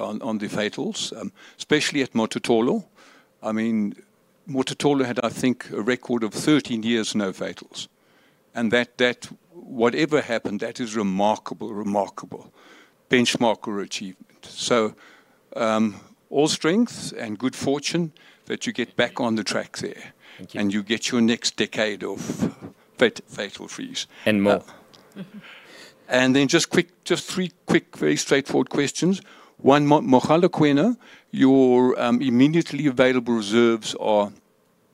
fatals, especially at Mototolo. Mototolo had, I think, a record of 13 years, no fatals. Whatever happened, that is remarkable. Benchmark or achievement. All strength and good fortune that you get back on the track there. Thank you. You get your next decade [fatal-free]. More. Just three quick, very straightforward questions. One, Mogalakwena, your immediately available reserves are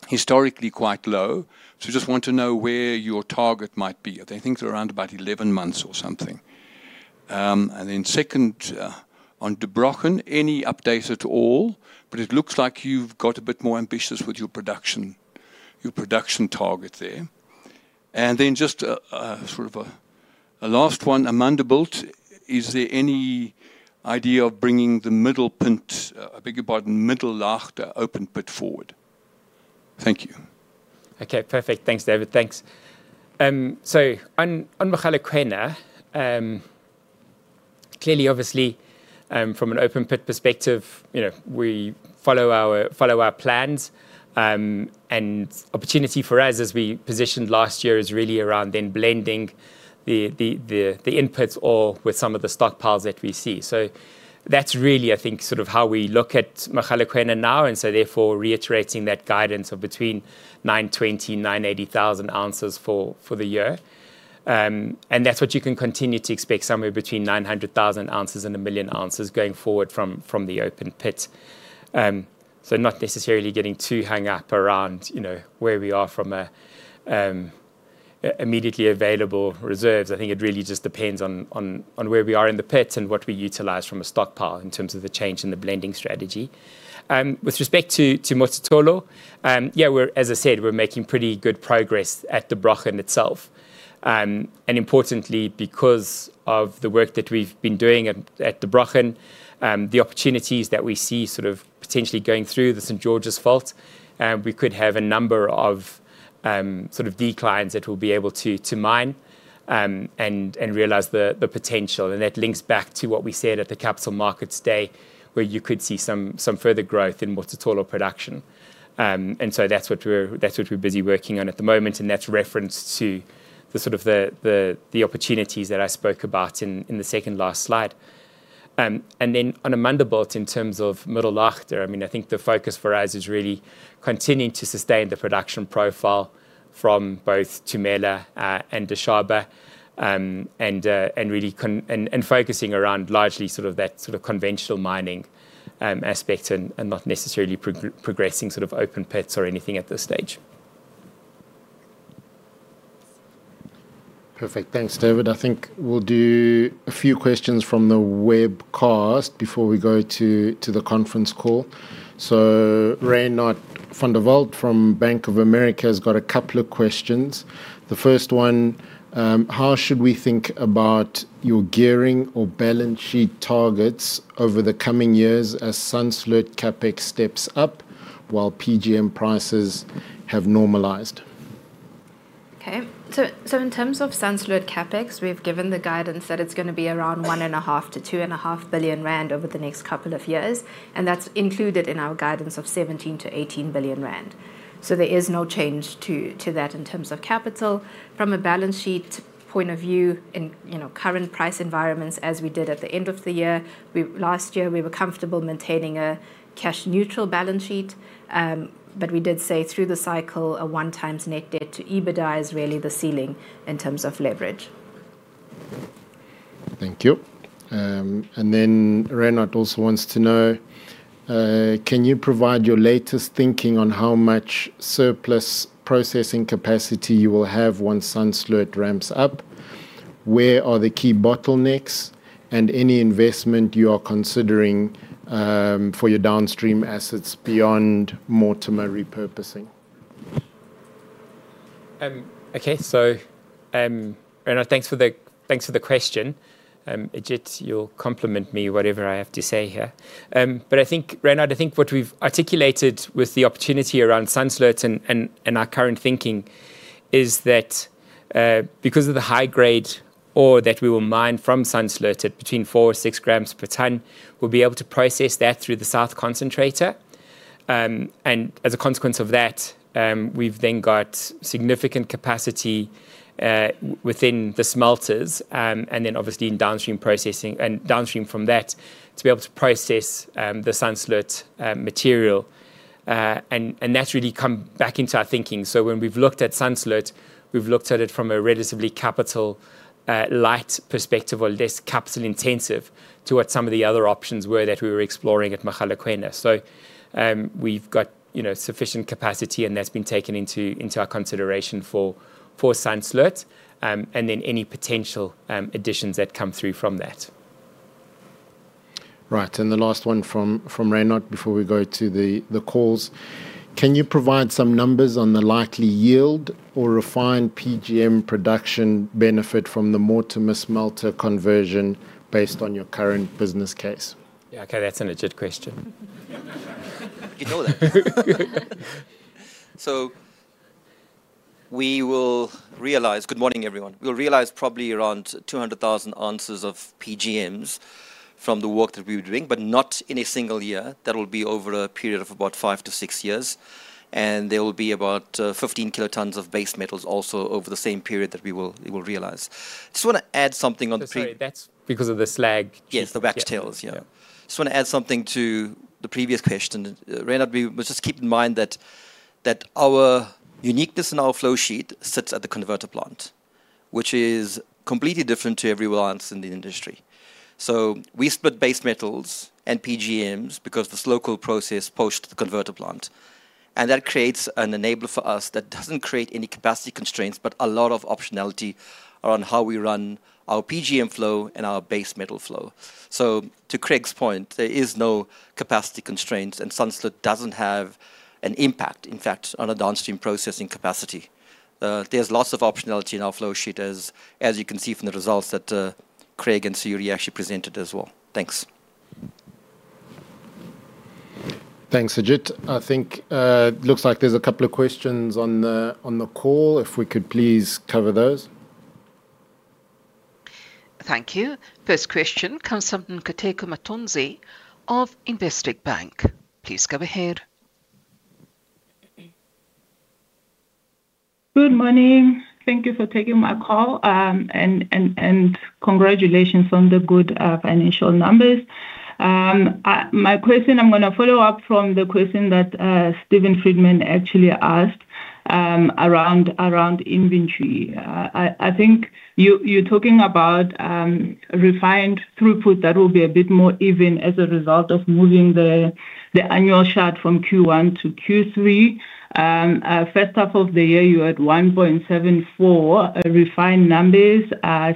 historically quite low. Just want to know where your target might be. I think they're around about 11 months or something. Second, on Der Brochen, any update at all? It looks like you've got a bit more ambitious with your production target there. Just sort of a last one, Amandelbult, is there any idea of bringing the Middellaagte, I beg your pardon, Middellaagte open pit forward. Thank you. Okay, perfect. Thanks, David. Thanks. On Mogalakwena, clearly, obviously, from an open pit perspective, we follow our plans. Opportunity for us as we positioned last year is really around then blending the inputs ore with some of the stockpiles that we see. That's really, I think, sort of how we look at Mogalakwena now, therefore, reiterating that guidance of between 920,000 oz and 980,000 oz for the year. That's what you can continue to expect, somewhere between 900,000 oz and 1 million ounces going forward from the open pit. Not necessarily getting too hung up around where we are from immediately available reserves. I think it really just depends on where we are in the pits and what we utilize from a stockpile in terms of the change in the blending strategy. With respect to Mototolo, as I said, we're making pretty good progress at Der Brochen itself. Importantly, because of the work that we've been doing at Der Brochen, the opportunities that we see sort of potentially going through the St. George's Fault, we could have a number of declines that we'll be able to mine and realize the potential. That links back to what we said at the Capital Markets Day, where you could see some further growth in Mototolo production. That's what we're busy working on at the moment, and that's referenced to the sort of the opportunities that I spoke about in the second last slide. On Amandelbult in terms of Middellaagte, I think the focus for us is really continuing to sustain the production profile from both Tumela and Dishaba. Focusing around largely sort of that sort of conventional mining aspect and not necessarily progressing open pits or anything at this stage. Perfect. Thanks, David. I think we'll do a few questions from the webcast before we go to the conference call. Reinhardt van der Walt from Bank of America has got a couple of questions. The first one, how should we think about your gearing or balance sheet targets over the coming years as Sandsloot CapEx steps up while PGM prices have normalized? Okay. In terms of Sandsloot CapEx, we've given the guidance that it's going to be around 1.5 billion-2.5 billion rand over the next couple of years, and that's included in our guidance of 17 billion-18 billion rand. There is no change to that in terms of capital. From a balance sheet point of view, in current price environments, as we did at the end of the year, last year, we were comfortable maintaining a cash neutral balance sheet. We did say through the cycle, a 1x net debt to EBITDA is really the ceiling in terms of leverage. Thank you. Reinhardt also wants to know, can you provide your latest thinking on how much surplus processing capacity you will have once Sandsloot ramps up? Where are the key bottlenecks and any investment you are considering for your downstream assets beyond Mortimer repurposing? Okay. Reinhardt, thanks for the question. Agit, you'll compliment me whatever I have to say here. Reinhardt, I think what we've articulated with the opportunity around Sandsloot and our current thinking is that because of the high-grade ore that we will mine from Sandsloot at between 4 or 6 g per ton, we'll be able to process that through the south concentrator. As a consequence of that, we've then got significant capacity within the smelters, obviously in downstream processing. Downstream from that, to be able to process the Sandsloot material. That's really come back into our thinking. When we've looked at Sandsloot, we've looked at it from a relatively capital light perspective or less capital intensive to what some of the other options were that we were exploring at Mogalakwena. We've got sufficient capacity, that's been taken into our consideration for Sandsloot, any potential additions that come through from that. Right. The last one from Reinhardt before we go to the calls. Can you provide some numbers on the likely yield or refined PGM production benefit from the Mortimer smelter conversion based on your current business case? Yeah, okay. That's an Agit question. You know that. good morning, everyone. We'll realize probably around 200,000 oz of PGMs from the work that we're doing, but not in a single year. That will be over a period of about five to six years, and there will be about 15 kilotons of base metals also over the same period that we will realize. Just want to add something. Sorry, that's because of the slag. Yes, the wax tails. Yeah. Just want to add something to the previous question. Reinhardt, just keep in mind that our uniqueness in our flow sheet sits at the converter plant, which is completely different to every other plant in the industry. We split base metals and PGMs because of this local process post the converter plant, and that creates an enabler for us that doesn't create any capacity constraints, but a lot of optionality around how we run our PGM flow and our base metal flow. To Craig's point, there is no capacity constraints and Sandsloot doesn't have an impact, in fact, on a downstream processing capacity. There's lots of optionality in our flowsheet as you can see from the results that Craig and Sayurie actually presented as well. Thanks. Thanks, Agit. I think it looks like there's a couple of questions on the call, if we could please cover those. Thank you. First question comes from Nkateko Mathonsi of Investec Bank. Please go ahead. Good morning. Thank you for taking my call. Congratulations on the good financial numbers. My question, I am going to follow up from the question that Steven Friedman actually asked around inventory. I think you are talking about refined throughput that will be a bit more even as a result of moving the annual shut from Q1 to Q3. First half of the year, you had 1.74 refined numbers.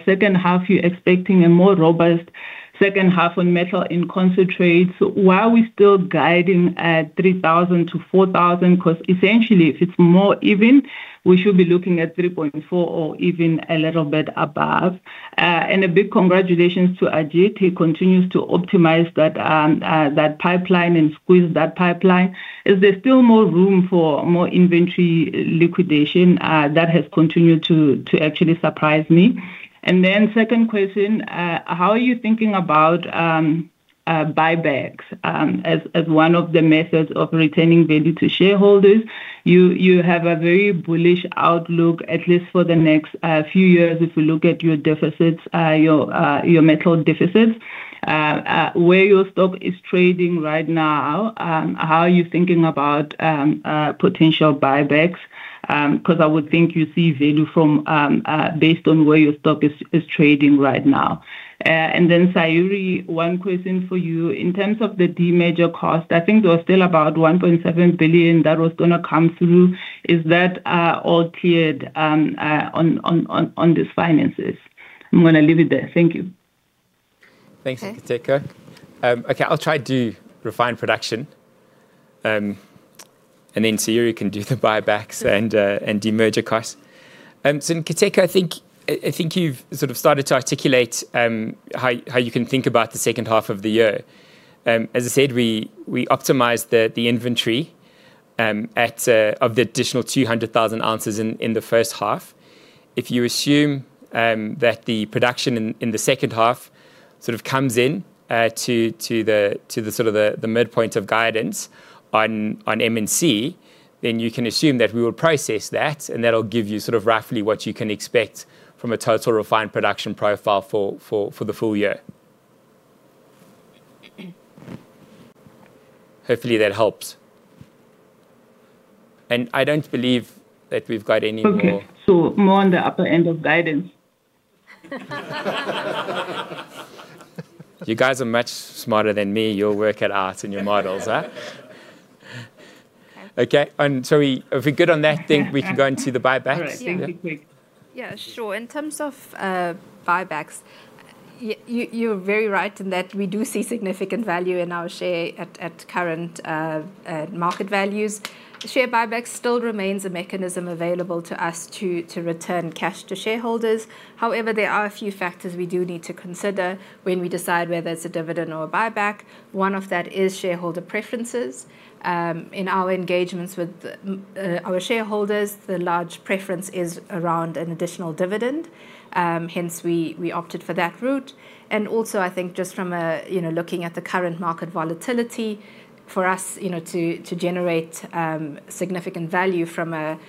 Second half, you are expecting a more robust second half on metal-in-concentrates. Why are we still guiding at 3,000-4,000? Essentially, if it is more even, we should be looking at 3.4 or even a little bit above. A big congratulations to Agit. He continues to optimize that pipeline and squeeze that pipeline. Is there still more room for more inventory liquidation? That has continued to actually surprise me. Second question, how are you thinking about buybacks as one of the methods of retaining value to shareholders? You have a very bullish outlook, at least for the next few years, if we look at your metal deficits. Where your stock is trading right now, how are you thinking about potential buybacks? I would think you see value based on where your stock is trading right now. Sayurie, one question for you. In terms of the demerger cost, I think there was still about 1.7 billion that was going to come through. Is that all tied on these finances? I am going to leave it there. Thank you. Thanks, Nkateko. I will try to do refined production, and then Sayurie can do the buybacks and demerger costs. Nkateko, I think you have sort of started to articulate how you can think about the second half of the year. As I said, we optimized the inventory of the additional 200,000 oz in the first half. If you assume that the production in the second half sort of comes in to the midpoint of guidance on M&C, then you can assume that we will process that, and that will give you sort of roughly what you can expect from a total refined production profile for the full year. Hopefully that helps. I do not believe that we have got any more. Okay, so more on the upper end of guidance. You guys are much smarter than me, your work at [arts] and your models, huh? Okay. If we're good on that thing, we can go into the buybacks. All right. Thank you, Craig. Yeah, sure. In terms of buybacks, you're very right in that we do see significant value in our share at current market values. Share buybacks still remains a mechanism available to us to return cash to shareholders. However, there are a few factors we do need to consider when we decide whether it's a dividend or a buyback. One of that is shareholder preferences. In our engagements with our shareholders, the large preference is around an additional dividend, hence we opted for that route. Also, I think just from looking at the current market volatility for us to generate significant value from a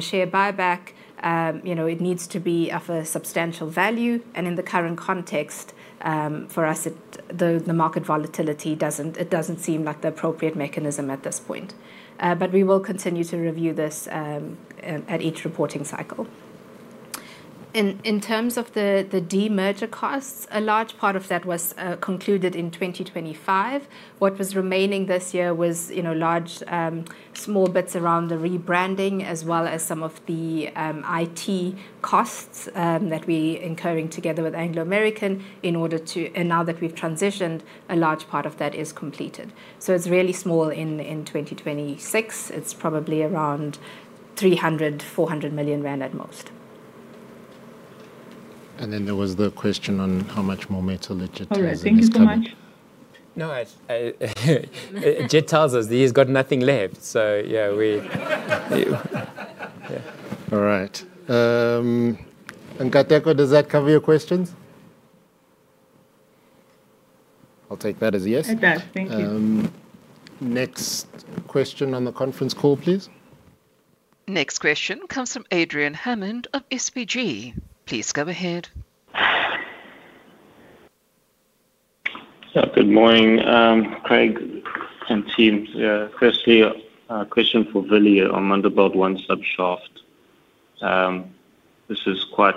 share buyback, it needs to be of a substantial value. In the current context, for us, the market volatility doesn't seem like the appropriate mechanism at this point. We will continue to review this at each reporting cycle. In terms of the demerger costs, a large part of that was concluded in 2025. What was remaining this year was large, small bits around the rebranding, as well as some of the IT costs that we incurring together with Anglo American. Now that we've transitioned, a large part of that is completed. It's really small in 2026. It's probably around 300 million-400 million rand at most. There was the question on how much more metal Agit has in his [pocket]. All right. Thank you so much. No, Agit tells us that he's got nothing left. Yeah. All right. Nkateko, does that cover your questions? I'll take that as a yes. It does. Thank you. Next question on the conference call, please. Next question comes from Adrian Hammond of SBG. Please go ahead. Good morning, Craig and team. Firstly, a question for Willie on Amandelbult 1 sub shaft. This is quite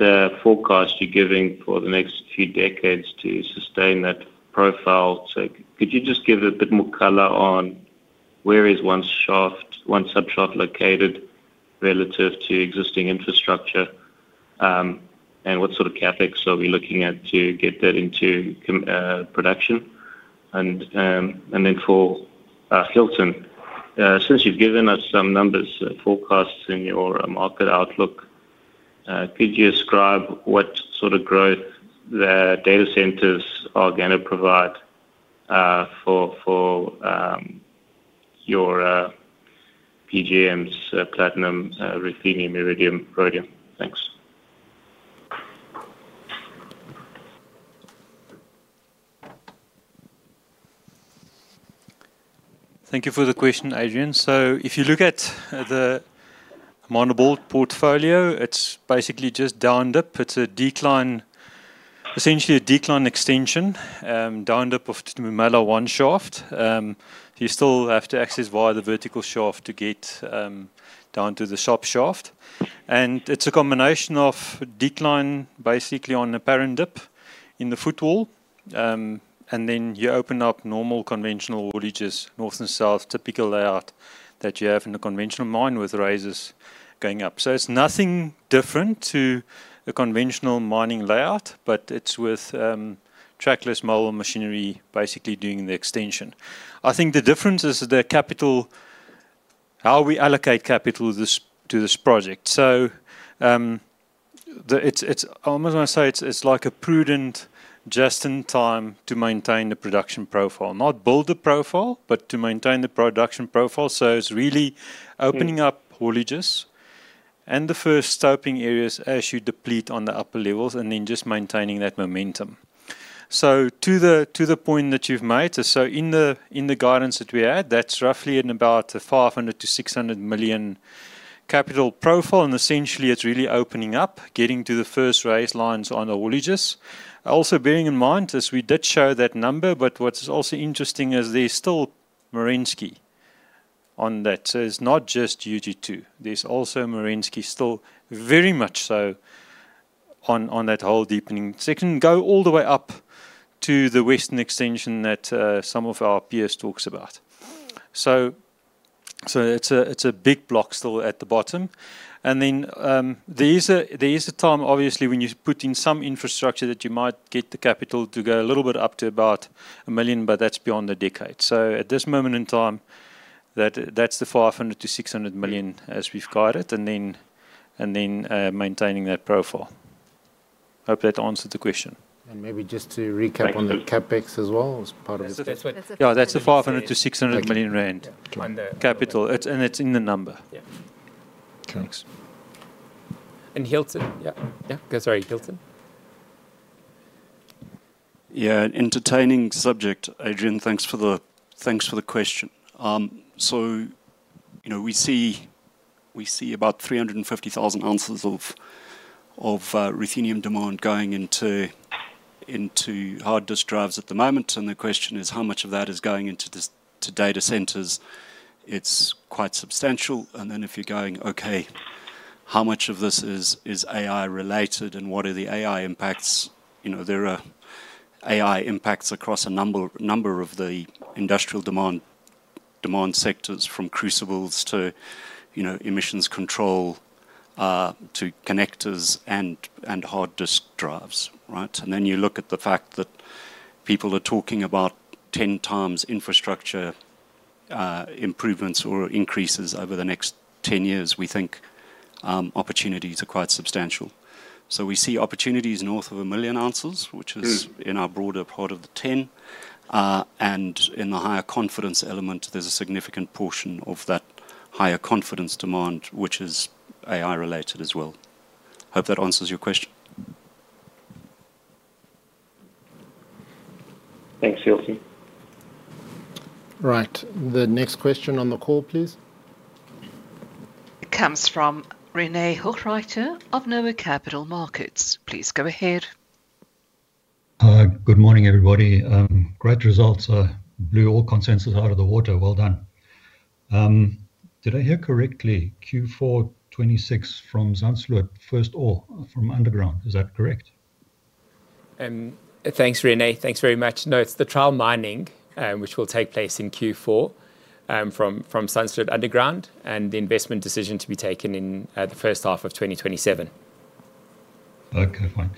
a forecast you're giving for the next few decades to sustain that profile. Could you just give a bit more color on where is 1 sub shaft located relative to existing infrastructure, and what sort of CapEx are we looking at to get that into production? For Hilton, since you've given us some numbers, forecasts in your market outlook, could you describe what sort of growth the data centers are going to provide for your PGMs platinum, ruthenium, iridium, rhodium? Thanks. Thank you for the question, Adrian. If you look at the Amandelbult portfolio, it's basically just down dip. It's essentially a decline extension, down dip of Amandelbult 1 sub shaft. You still have to access via the vertical shaft to get down to the sub shaft. It's a combination of decline, basically on the parent dip in the footwall. You open up normal conventional haulages, north and south, typical layout that you have in a conventional mine with raises going up. It's nothing different to a conventional mining layout, but it's with trackless mobile machinery basically doing the extension. I think the difference is how we allocate capital to this project. I almost want to say it's like a prudent just in time to maintain the production profile. Not build the profile, but to maintain the production profile. It's really opening up haulages and the first stoping areas as you deplete on the upper levels and just maintaining that momentum. To the point that you've made, in the guidance that we had, that's roughly at about 500 million-600 million capital profile, essentially it's really opening up, getting to the first raise lines on the haulages. Bearing in mind, as we did show that number, what is also interesting is there's still Merensky on that. It's not just UG2. There's also Merensky still very much so on that whole deepening section. Go all the way up to the western extension that some of our peers talks about. It's a big block still at the bottom. There is a time, obviously, when you put in some infrastructure that you might get the capital to go a little bit up to about 1 million, that's beyond a decade. At this moment in time, that's the 500 million-600 million as we've guided, maintaining that profile. Hope that answered the question. Maybe just to recap on the CapEx as well as part of the. Yeah, that's the 500 million-600 million rand capital. It's in the number. Yeah. Thanks. Hilton. Yeah. Sorry, Hilton. Yeah, an entertaining subject, Adrian. Thanks for the question. We see about 350,000 oz of ruthenium demand going into hard disk drives at the moment. The question is how much of that is going into data centers? It's quite substantial. If you're going, "Okay, how much of this is AI related and what are the AI impacts?" There are AI impacts across a number of the industrial demand sectors, from crucibles to emissions control, to connectors and hard disk drives. Right? You look at the fact that people are talking about 10 times infrastructure improvements or increases over the next 10 years. We think opportunities are quite substantial. We see opportunities north of 1 million ounces, which is in our broader part of the 10. In the higher confidence element, there's a significant portion of that higher confidence demand, which is AI related as well. Hope that answers your question. Thanks, Hilton. Right. The next question on the call, please. Comes from René Hochreiter of NOAH Capital Markets. Please go ahead. Good morning, everybody. Great results. Blew all consensus out of the water. Well done. Did I hear correctly, Q4 2026 from Sandsloot, first ore from underground, is that correct? Thanks, René. Thanks very much. It's the trial mining, which will take place in Q4, from Sandsloot underground, and the investment decision to be taken in the first half of 2027. Okay, fine.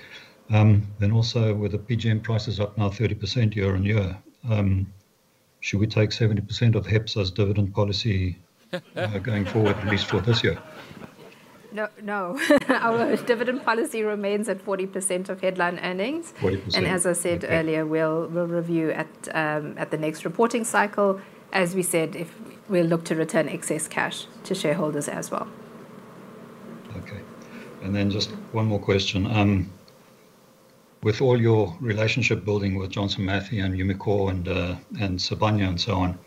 Also with the PGM prices up now 30% year-on-year, should we take 70% of HEPS as dividend policy going forward, at least for this year? No, our dividend policy remains at 40% of headline earnings. 40%. Okay. As I said earlier, we'll review at the next reporting cycle. We said, we'll look to return excess cash to shareholders as well. Okay. Just one more question. With all your relationship building with Johnson Matthey and Umicore and Sibanye and so on,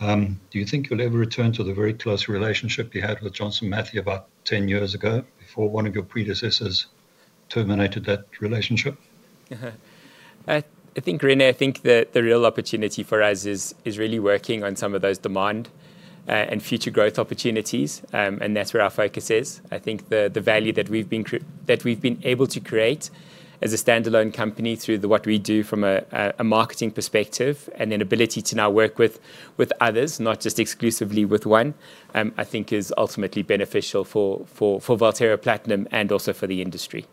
do you think you'll ever return to the very close relationship you had with Johnson Matthey about 10 years ago before one of your predecessors terminated that relationship. René, I think that the real opportunity for us is really working on some of those demand and future growth opportunities, that's where our focus is. I think the value that we've been able to create as a standalone company through what we do from a marketing perspective, an ability to now work with others, not just exclusively with one, I think is ultimately beneficial for Valterra Platinum and also for the industry.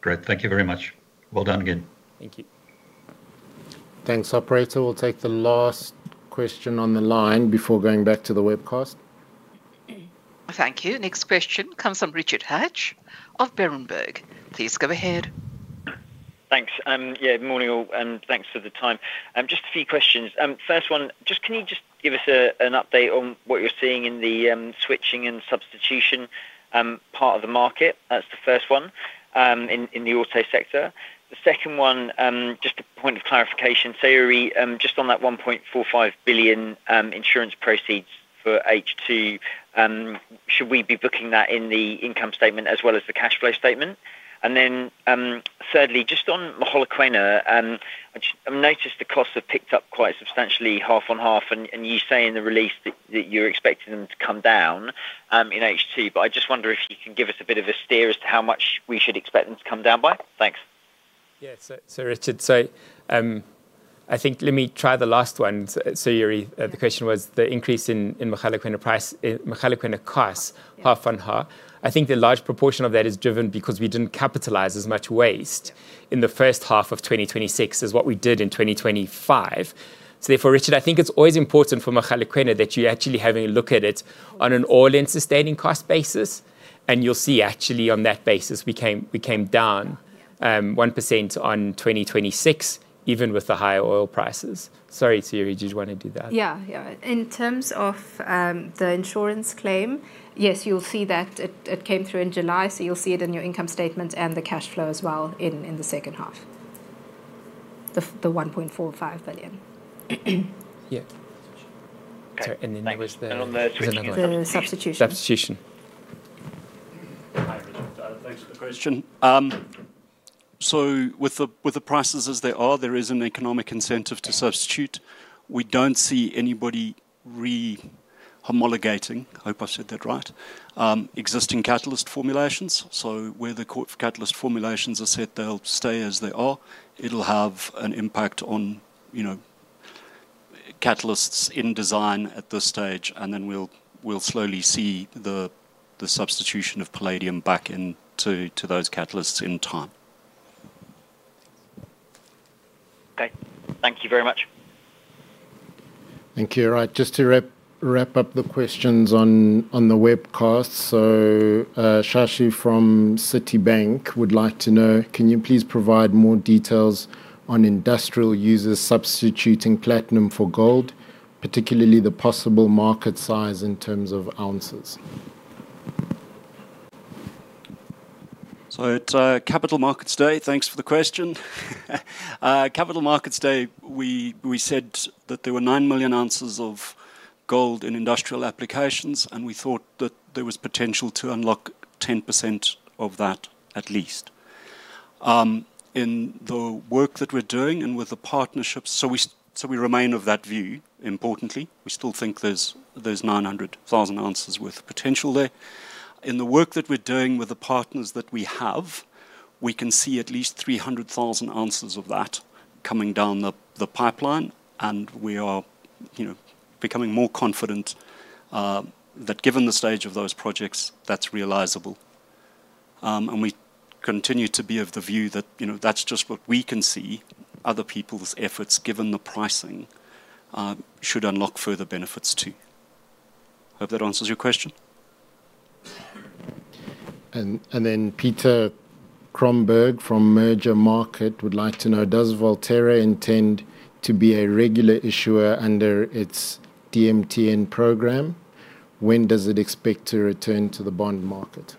Great. Thank you very much. Well done again. Thank you. Thanks, operator. We'll take the last question on the line before going back to the webcast. Thank you. Next question comes from Richard Hatch of Berenberg. Please go ahead. Thanks. Yeah, morning all, and thanks for the time. Just a few questions. First one, can you just give us an update on what you're seeing in the switching and substitution part of the market? That's the first one, in the auto sector. The second one, just a point of clarification. Sayurie, just on that 1.45 billion insurance proceeds for H2, should we be booking that in the income statement as well as the cash flow statement? Thirdly, just on Mogalakwena, I've noticed the costs have picked up quite substantially half-on-half, and you say in the release that you're expecting them to come down in H2. I just wonder if you can give us a bit of a steer as to how much we should expect them to come down by. Thanks. Yeah. Richard, let me try the last one. Sayurie, the question was the increase in Mogalakwena costs half-on-half. I think the large proportion of that is driven because we didn't capitalize as much waste in the first half of 2026 as what we did in 2025. Richard, I think it's always important for Mogalakwena that you're actually having a look at it on an all-in sustaining cost basis. You'll see actually on that basis, we came down 1% on 2026, even with the high oil prices. Sorry, Sayurie, did you want to do that? Yeah. In terms of the insurance claim, yes, you'll see that it came through in July, you'll see it in your income statement and the cash flow as well in the second half. The 1.5 billion. Yeah. Sorry, and then there was another one. The substitution. Substitution. Hi, Richard. Thanks for the question. With the prices as they are, there is an economic incentive to substitute. We don't see anybody rehomologating, I hope I said that right, existing catalyst formulations. Where the catalyst formulations are set, they'll stay as they are. It'll have an impact on catalysts in design at this stage, and then we'll slowly see the substitution of palladium back into those catalysts in time. Okay. Thank you very much. Thank you. Right. Just to wrap up the questions on the webcast. Shashi from Citibank would like to know, can you please provide more details on industrial users substituting platinum for gold, particularly the possible market size in terms of ounces? At Capital Markets Day, thanks for the question. Capital Markets Day, we said that there were 9 million ounces of gold in industrial applications, and we thought that there was potential to unlock 10% of that, at least. In the work that we're doing and with the partnerships, we remain of that view, importantly. We still think there's 900,000 oz worth of potential there. In the work that we're doing with the partners that we have, we can see at least 300,000 oz of that coming down the pipeline, and we are becoming more confident that given the stage of those projects, that's realizable. We continue to be of the view that that's just what we can see. Other people's efforts, given the pricing, should unlock further benefits, too. I hope that answers your question. Peter Cromberge from Mergermarket would like to know, does Valterra intend to be a regular issuer under its DMTN program? When does it expect to return to the bond market?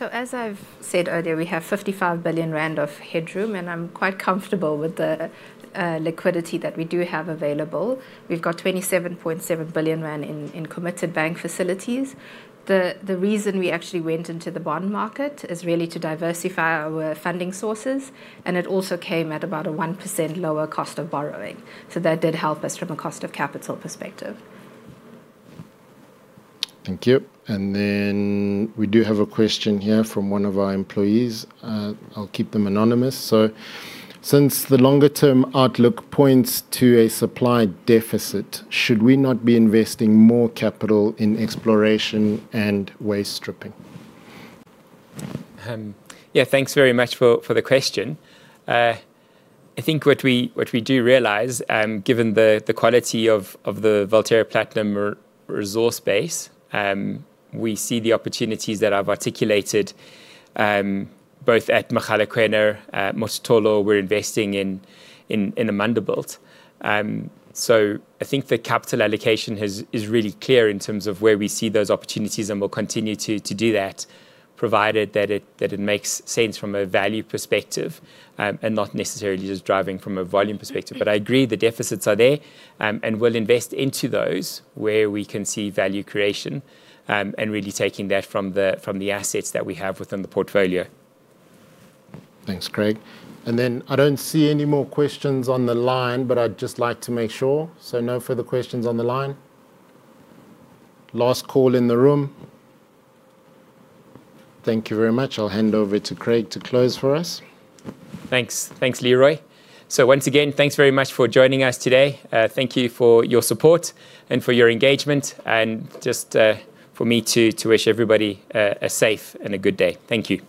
As I've said earlier, we have 55 billion rand of headroom, and I'm quite comfortable with the liquidity that we do have available. We've got 27.7 billion rand in committed bank facilities. The reason we actually went into the bond market is really to diversify our funding sources, and it also came at about a 1% lower cost of borrowing. That did help us from a cost of capital perspective. Thank you. We do have a question here from one of our employees. I'll keep them anonymous. Since the longer-term outlook points to a supply deficit, should we not be investing more capital in exploration and waste stripping? Thanks very much for the question. I think what we do realize, given the quality of the Valterra Platinum resource base, we see the opportunities that I've articulated, both at Mogalakwena, at Mototolo, we're investing in the Amandelbult. I think the capital allocation is really clear in terms of where we see those opportunities, and we'll continue to do that, provided that it makes sense from a value perspective, and not necessarily just driving from a volume perspective. I agree the deficits are there, and we'll invest into those where we can see value creation, and really taking that from the assets that we have within the portfolio. Thanks, Craig. I don't see any more questions on the line, but I'd just like to make sure. No further questions on the line? Last call in the room. Thank you very much. I'll hand over to Craig to close for us. Thanks. Thanks, Leroy. Once again, thanks very much for joining us today. Thank you for your support and for your engagement, and just for me to wish everybody a safe and a good day. Thank you.